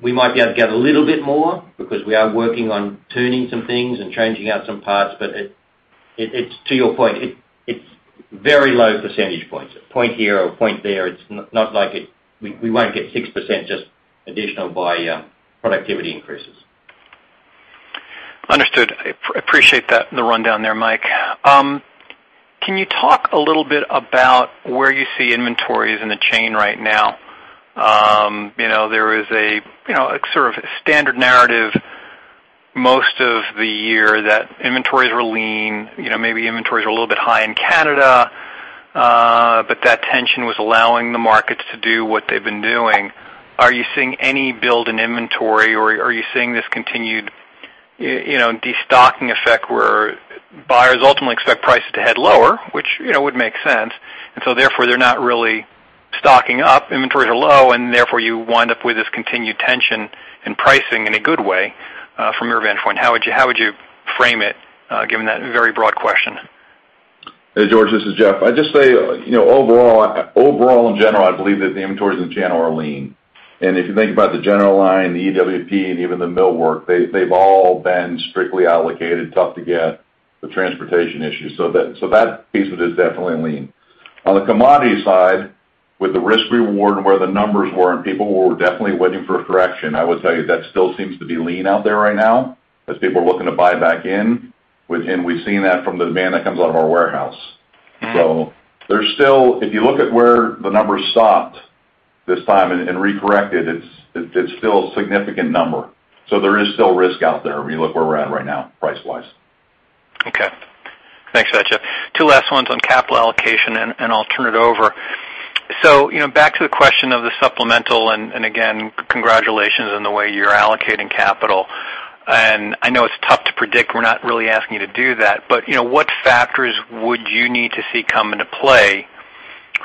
We might be able to get a little bit more because we are working on tuning some things and changing out some parts. To your point, it's very low percentage points. A point here or a point there. It's not like it. We won't get 6% just additional by productivity increases. Understood. Appreciate that, the rundown there, Mike. Can you talk a little bit about where you see inventories in the chain right now? You know, there is, you know, a sort of standard narrative most of the year that inventories were lean. You know, maybe inventories were a little bit high in Canada, but that tension was allowing the markets to do what they've been doing. Are you seeing any build in inventory or are you seeing this continued, you know, destocking effect where buyers ultimately expect prices to head lower, which, you know, would make sense. Therefore, they're not really stocking up. Inventories are low, and therefore, you wind up with this continued tension in pricing in a good way, from your vantage point. How would you frame it, given that very broad question? Hey, George, this is Jeff. I'd just say, you know, overall in general, I believe that the inventories in general are lean. If you think about the general line, the EWP, and even the millwork, they've all been strictly allocated, tough to get, the transportation issues. So that piece of it is definitely lean. On the commodity side, with the risk reward and where the numbers were, and people were definitely waiting for a correction, I would tell you that still seems to be lean out there right now as people are looking to buy back in. We've seen that from the demand that comes out of our warehouse. So there's still. If you look at where the numbers stopped this time and re-corrected, it's still a significant number. There is still risk out there when you look where we're at right now, price-wise. Okay. Thanks for that, Jeff. Two last ones on capital allocation, and I'll turn it over. You know, back to the question of the supplemental, and again, congratulations on the way you're allocating capital. I know it's tough to predict, we're not really asking you to do that, but you know, what factors would you need to see come into play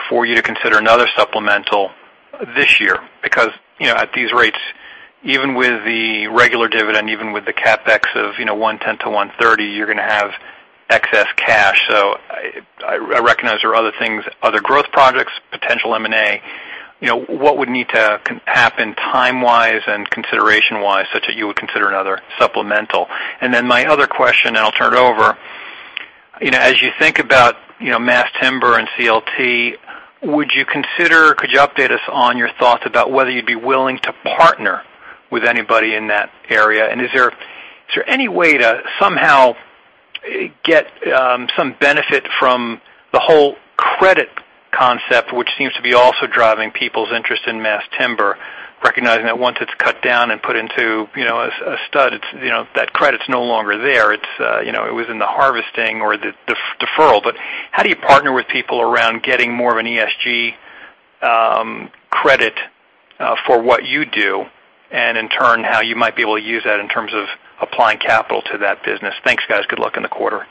for you to consider another supplemental this year? Because you know, at these rates, even with the regular dividend, even with the CapEx of $110 million to $130 million, you're gonna have excess cash. I recognize there are other things, other growth projects, potential M&A. You know, what would need to happen time-wise and consideration-wise such that you would consider another supplemental? Then my other question, and I'll turn it over. You know, as you think about, you know, mass timber and CLT, would you consider, could you update us on your thoughts about whether you'd be willing to partner with anybody in that area? Is there any way to somehow get some benefit from the whole credit concept, which seems to be also driving people's interest in mass timber, recognizing that once it's cut down and put into, you know, a stud, it's, you know, that credit's no longer there. It's you know, it was in the harvesting or the deferral. How do you partner with people around getting more of an ESG credit for what you do, and in turn, how you might be able to use that in terms of applying capital to that business? Thanks, guys. Good luck in the quarter.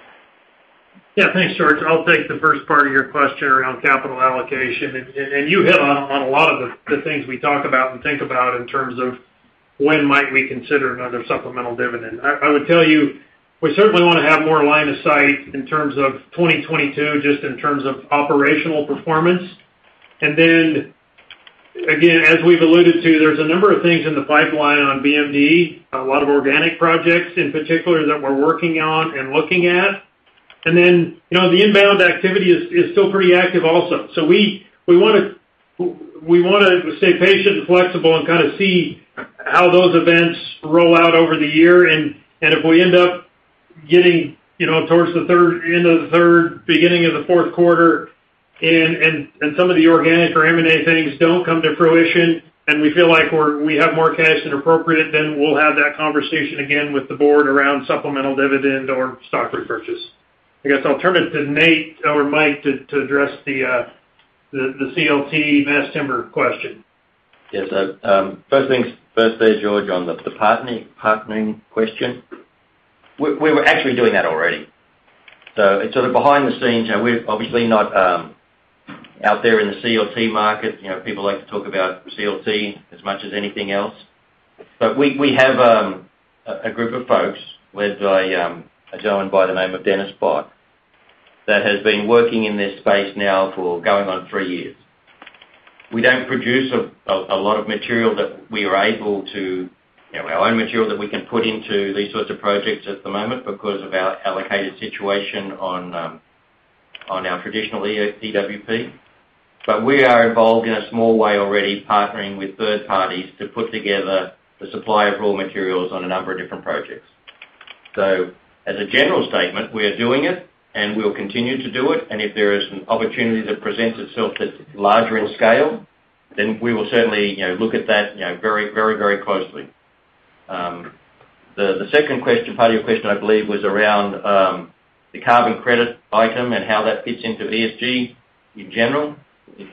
Yeah. Thanks, George. I'll take the first part of your question around capital allocation. You hit on a lot of the things we talk about and think about in terms of when might we consider another supplemental dividend. I would tell you, we certainly wanna have more line of sight in terms of 2022, just in terms of operational performance. As we've alluded to, there's a number of things in the pipeline on BMD, a lot of organic projects in particular that we're working on and looking at. You know, the inbound activity is still pretty active also. We wanna stay patient and flexible and kinda see how those events roll out over the year. If we end up getting, you know, towards the third, end of the third, beginning of the fourth quarter, and some of the organic or M&A things don't come to fruition, and we feel like we have more cash than appropriate, then we'll have that conversation again with the board around supplemental dividend or stock repurchase. I guess I'll turn it to Nate or Mike to address the CLT mass timber question. Yes. First things first there, George, on the partnering question. We were actually doing that already. It's sort of behind the scenes. You know, we're obviously not out there in the CLT market. You know, people like to talk about CLT as much as anything else. We have a group of folks led by a gentleman by the name of Dennis Pike that has been working in this space now for going on three years. We don't produce a lot of material that we are able to, you know, our own material that we can put into these sorts of projects at the moment because of our allocated situation on our traditional EWP. We are involved in a small way already partnering with third parties to put together the supply of raw materials on a number of different projects. As a general statement, we are doing it, and we'll continue to do it, and if there is an opportunity that presents itself that's larger in scale, then we will certainly, you know, look at that, you know, very closely. The second question, part of your question, I believe, was around the carbon credit item and how that fits into ESG in general, if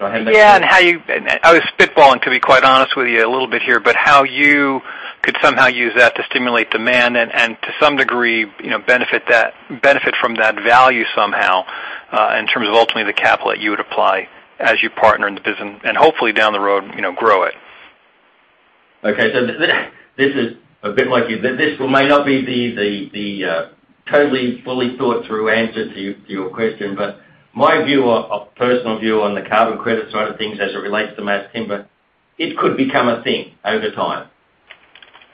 I had that. Yeah. I was spitballing, to be quite honest with you, a little bit here, but how you- Could somehow use that to stimulate demand and to some degree, you know, benefit from that value somehow, in terms of ultimately the capital that you would apply as you partner in the business and hopefully down the road, you know, grow it. Okay. This is a bit like you. This may not be the totally fully thought through answer to your question, but my personal view on the carbon credit side of things as it relates to mass timber, it could become a thing over time.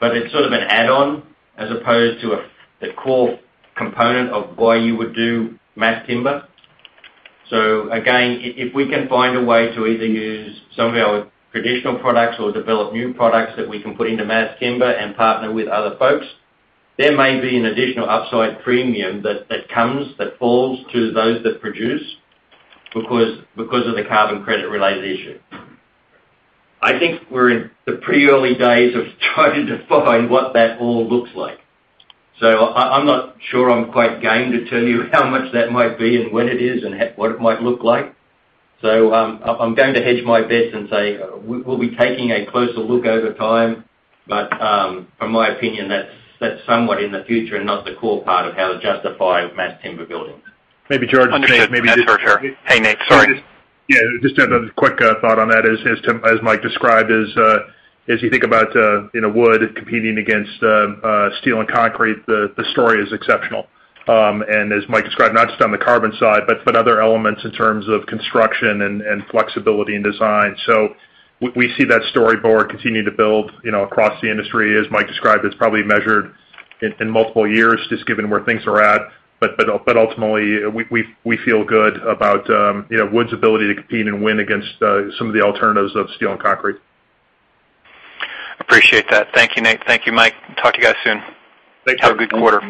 It's sort of an add-on as opposed to the core component of why you would do mass timber. Again, if we can find a way to either use some of our traditional products or develop new products that we can put into mass timber and partner with other folks, there may be an additional upside premium that comes that falls to those that produce because of the carbon credit related issue. I think we're in the pretty early days of starting to find what that all looks like. I'm not sure I'm quite game to tell you how much that might be and when it is and what it might look like. I'm going to hedge my bets and say we'll be taking a closer look over time. In my opinion, that's somewhat in the future and not the core part of how to justify mass timber buildings. Maybe, George. Understood. That's for sure. Hey, Nate. Sorry. Yeah, just a quick thought on that. As Mike described, as you think about, you know, wood competing against, steel and concrete, the story is exceptional. As Mike described, not just on the carbon side, but other elements in terms of construction and flexibility and design. We see that storyboard continue to build, you know, across the industry. As Mike described, it's probably measured in multiple years just given where things are at. Ultimately, we feel good about, you know, wood's ability to compete and win against, some of the alternatives of steel and concrete. Appreciate that. Thank you, Nate. Thank you, Mike. Talk to you guys soon. Thanks. Have a good quarter.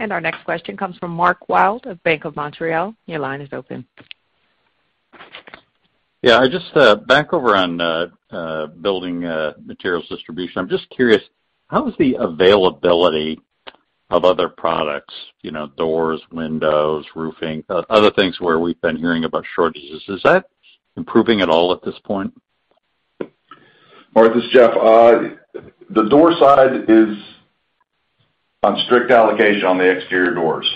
Our next question comes from Mark Wilde of Bank of Montreal. Your line is open. Yeah, just back over on building materials distribution. I'm just curious, how is the availability of other products, you know, doors, windows, roofing, other things where we've been hearing about shortages? Is that improving at all at this point? Mark, this is Jeff. The door side is on strict allocation on the exterior doors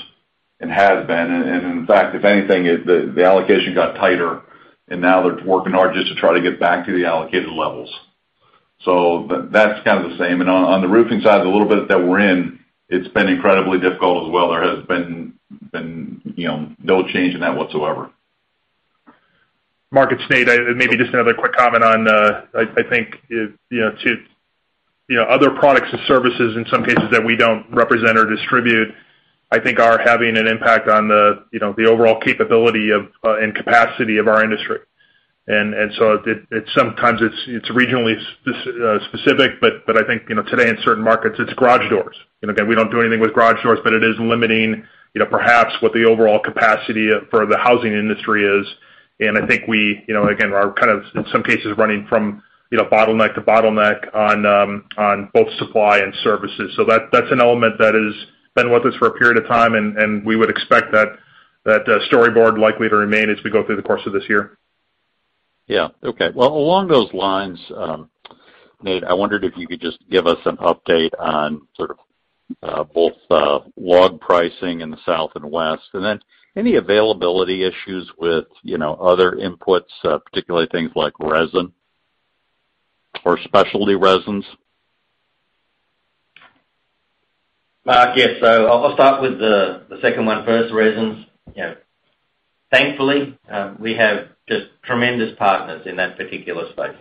and has been. In fact, if anything, the allocation got tighter, and now they're working hard just to try to get back to the allocated levels. That's kind of the same. On the roofing side, the little bit that we're in, it's been incredibly difficult as well. There has been, you know, no change in that whatsoever. Market state, maybe just another quick comment on, I think, you know, to, you know, other products and services in some cases that we don't represent or distribute, I think are having an impact on the, you know, the overall capability of, and capacity of our industry. It sometimes is regionally specific, but I think, you know, today in certain markets, it's garage doors. You know, again, we don't do anything with garage doors, but it is limiting, you know, perhaps what the overall capacity for the housing industry is. I think we, you know, again, are kind of in some cases running from, you know, bottleneck to bottleneck on both supply and services. That is an element that has been with us for a period of time, and we would expect that storyline likely to remain as we go through the course of this year. Yeah. Okay. Well, along those lines, Nate, I wondered if you could just give us an update on sort of both log pricing in the South and West, and then any availability issues with, you know, other inputs, particularly things like resin or specialty resins. Mark, yes. I'll start with the second one first, resins. You know, thankfully, we have just tremendous partners in that particular space.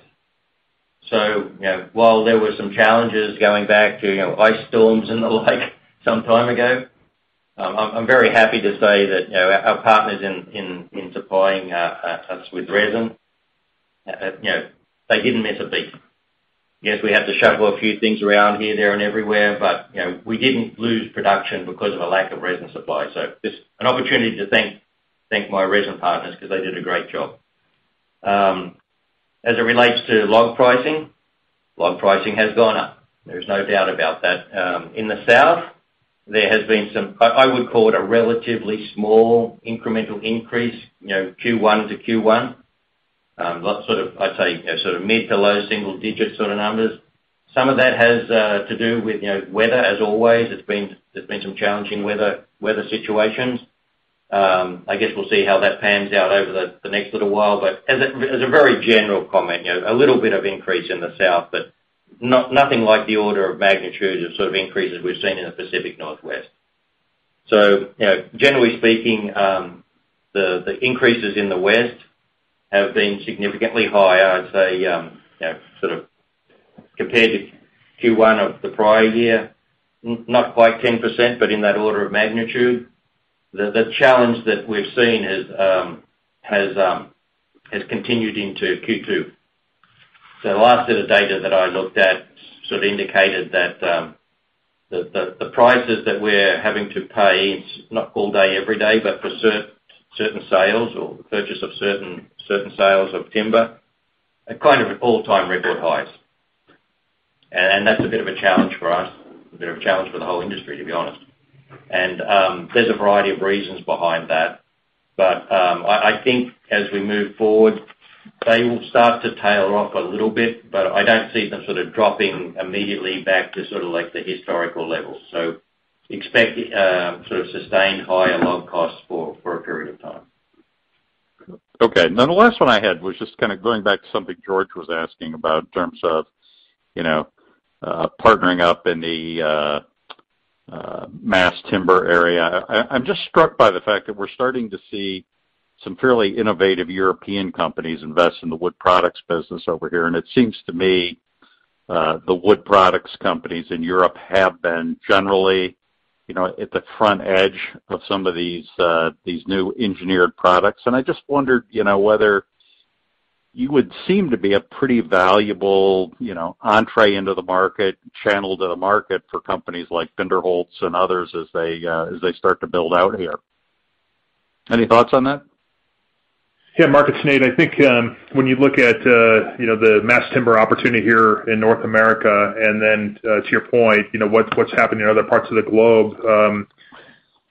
You know, while there were some challenges going back to, you know, ice storms and the like some time ago, I'm very happy to say that, you know, our partners in supplying us with resin, you know, they didn't miss a beat. Yes, we had to shuffle a few things around here, there, and everywhere, but, you know, we didn't lose production because of a lack of resin supply. Just an opportunity to thank my resin partners because they did a great job. As it relates to log pricing, log pricing has gone up. There's no doubt about that. In the south, there has been some, I would call it a relatively small incremental increase, you know, Q1 to Q1. That's sort of, I'd say, a sort of mid to low single digit sort of numbers. Some of that has to do with, you know, weather as always. There's been some challenging weather situations. I guess we'll see how that pans out over the next little while. As a very general comment, you know, a little bit of increase in the south, but nothing like the order of magnitude of sort of increases we've seen in the Pacific Northwest. You know, generally speaking, the increases in the west have been significantly higher. I'd say, you know, sort of compared to Q1 of the prior year, not quite 10%, but in that order of magnitude. The challenge that we've seen has continued into Q2. The last set of data that I looked at sort of indicated that the prices that we're having to pay, it's not all day, every day, but for certain sales or purchase of certain sales of timber are kind of at all-time record highs. And that's a bit of a challenge for us, a bit of a challenge for the whole industry, to be honest. There's a variety of reasons behind that. I think as we move forward, they will start to tail off a little bit, but I don't see them sort of dropping immediately back to sort of like the historical levels. Expect sort of sustained higher log costs for a period of time. Okay. Now the last one I had was just kinda going back to something George was asking about in terms of, you know, partnering up in the mass timber area. I'm just struck by the fact that we're starting to see some fairly innovative European companies invest in the wood products business over here, and it seems to me the wood products companies in Europe have been generally, you know, at the front edge of some of these new engineered products. I just wondered, you know, whether you would seem to be a pretty valuable, you know, entree into the market, channel to the market for companies like Binderholz and others as they start to build out here. Any thoughts on that? Yeah, Mark Wilde, it's Nate Jorgensen. I think, when you look at, you know, the mass timber opportunity here in North America, and then, to your point, you know, what's happening in other parts of the globe,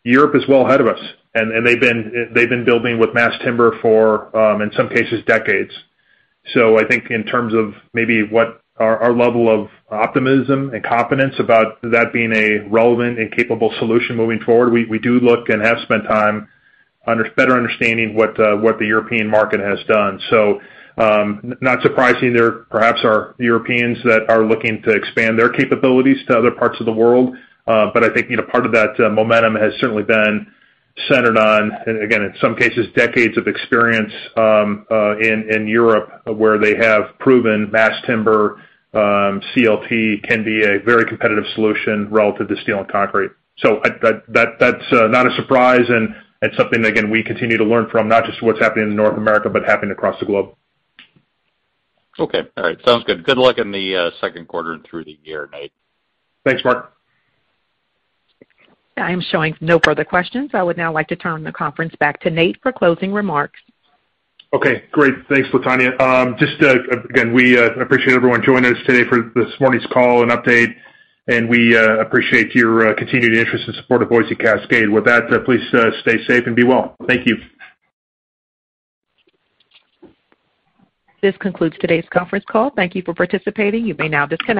Europe is well ahead of us. They've been building with mass timber for, in some cases, decades. I think in terms of maybe what our level of optimism and confidence about that being a relevant and capable solution moving forward, we do look and have spent time better understanding what the European market has done. Not surprising there perhaps are Europeans that are looking to expand their capabilities to other parts of the world. I think, you know, part of that momentum has certainly been centered on, and again, in some cases, decades of experience in Europe, where they have proven mass timber, CLT can be a very competitive solution relative to steel and concrete. That's not a surprise, and it's something, again, we continue to learn from, not just what's happening in North America, but happening across the globe. Okay. All right. Sounds good. Good luck in the second quarter and through the year, Nate. Thanks, Mark. I am showing no further questions. I would now like to turn the conference back to Nate for closing remarks. Okay, great. Thanks, Latonya. Just again, we appreciate everyone joining us today for this morning's call and update, and we appreciate your continued interest and support of Boise Cascade. With that, please stay safe and be well. Thank you. This concludes today's conference call. Thank you for participating. You may now disconnect.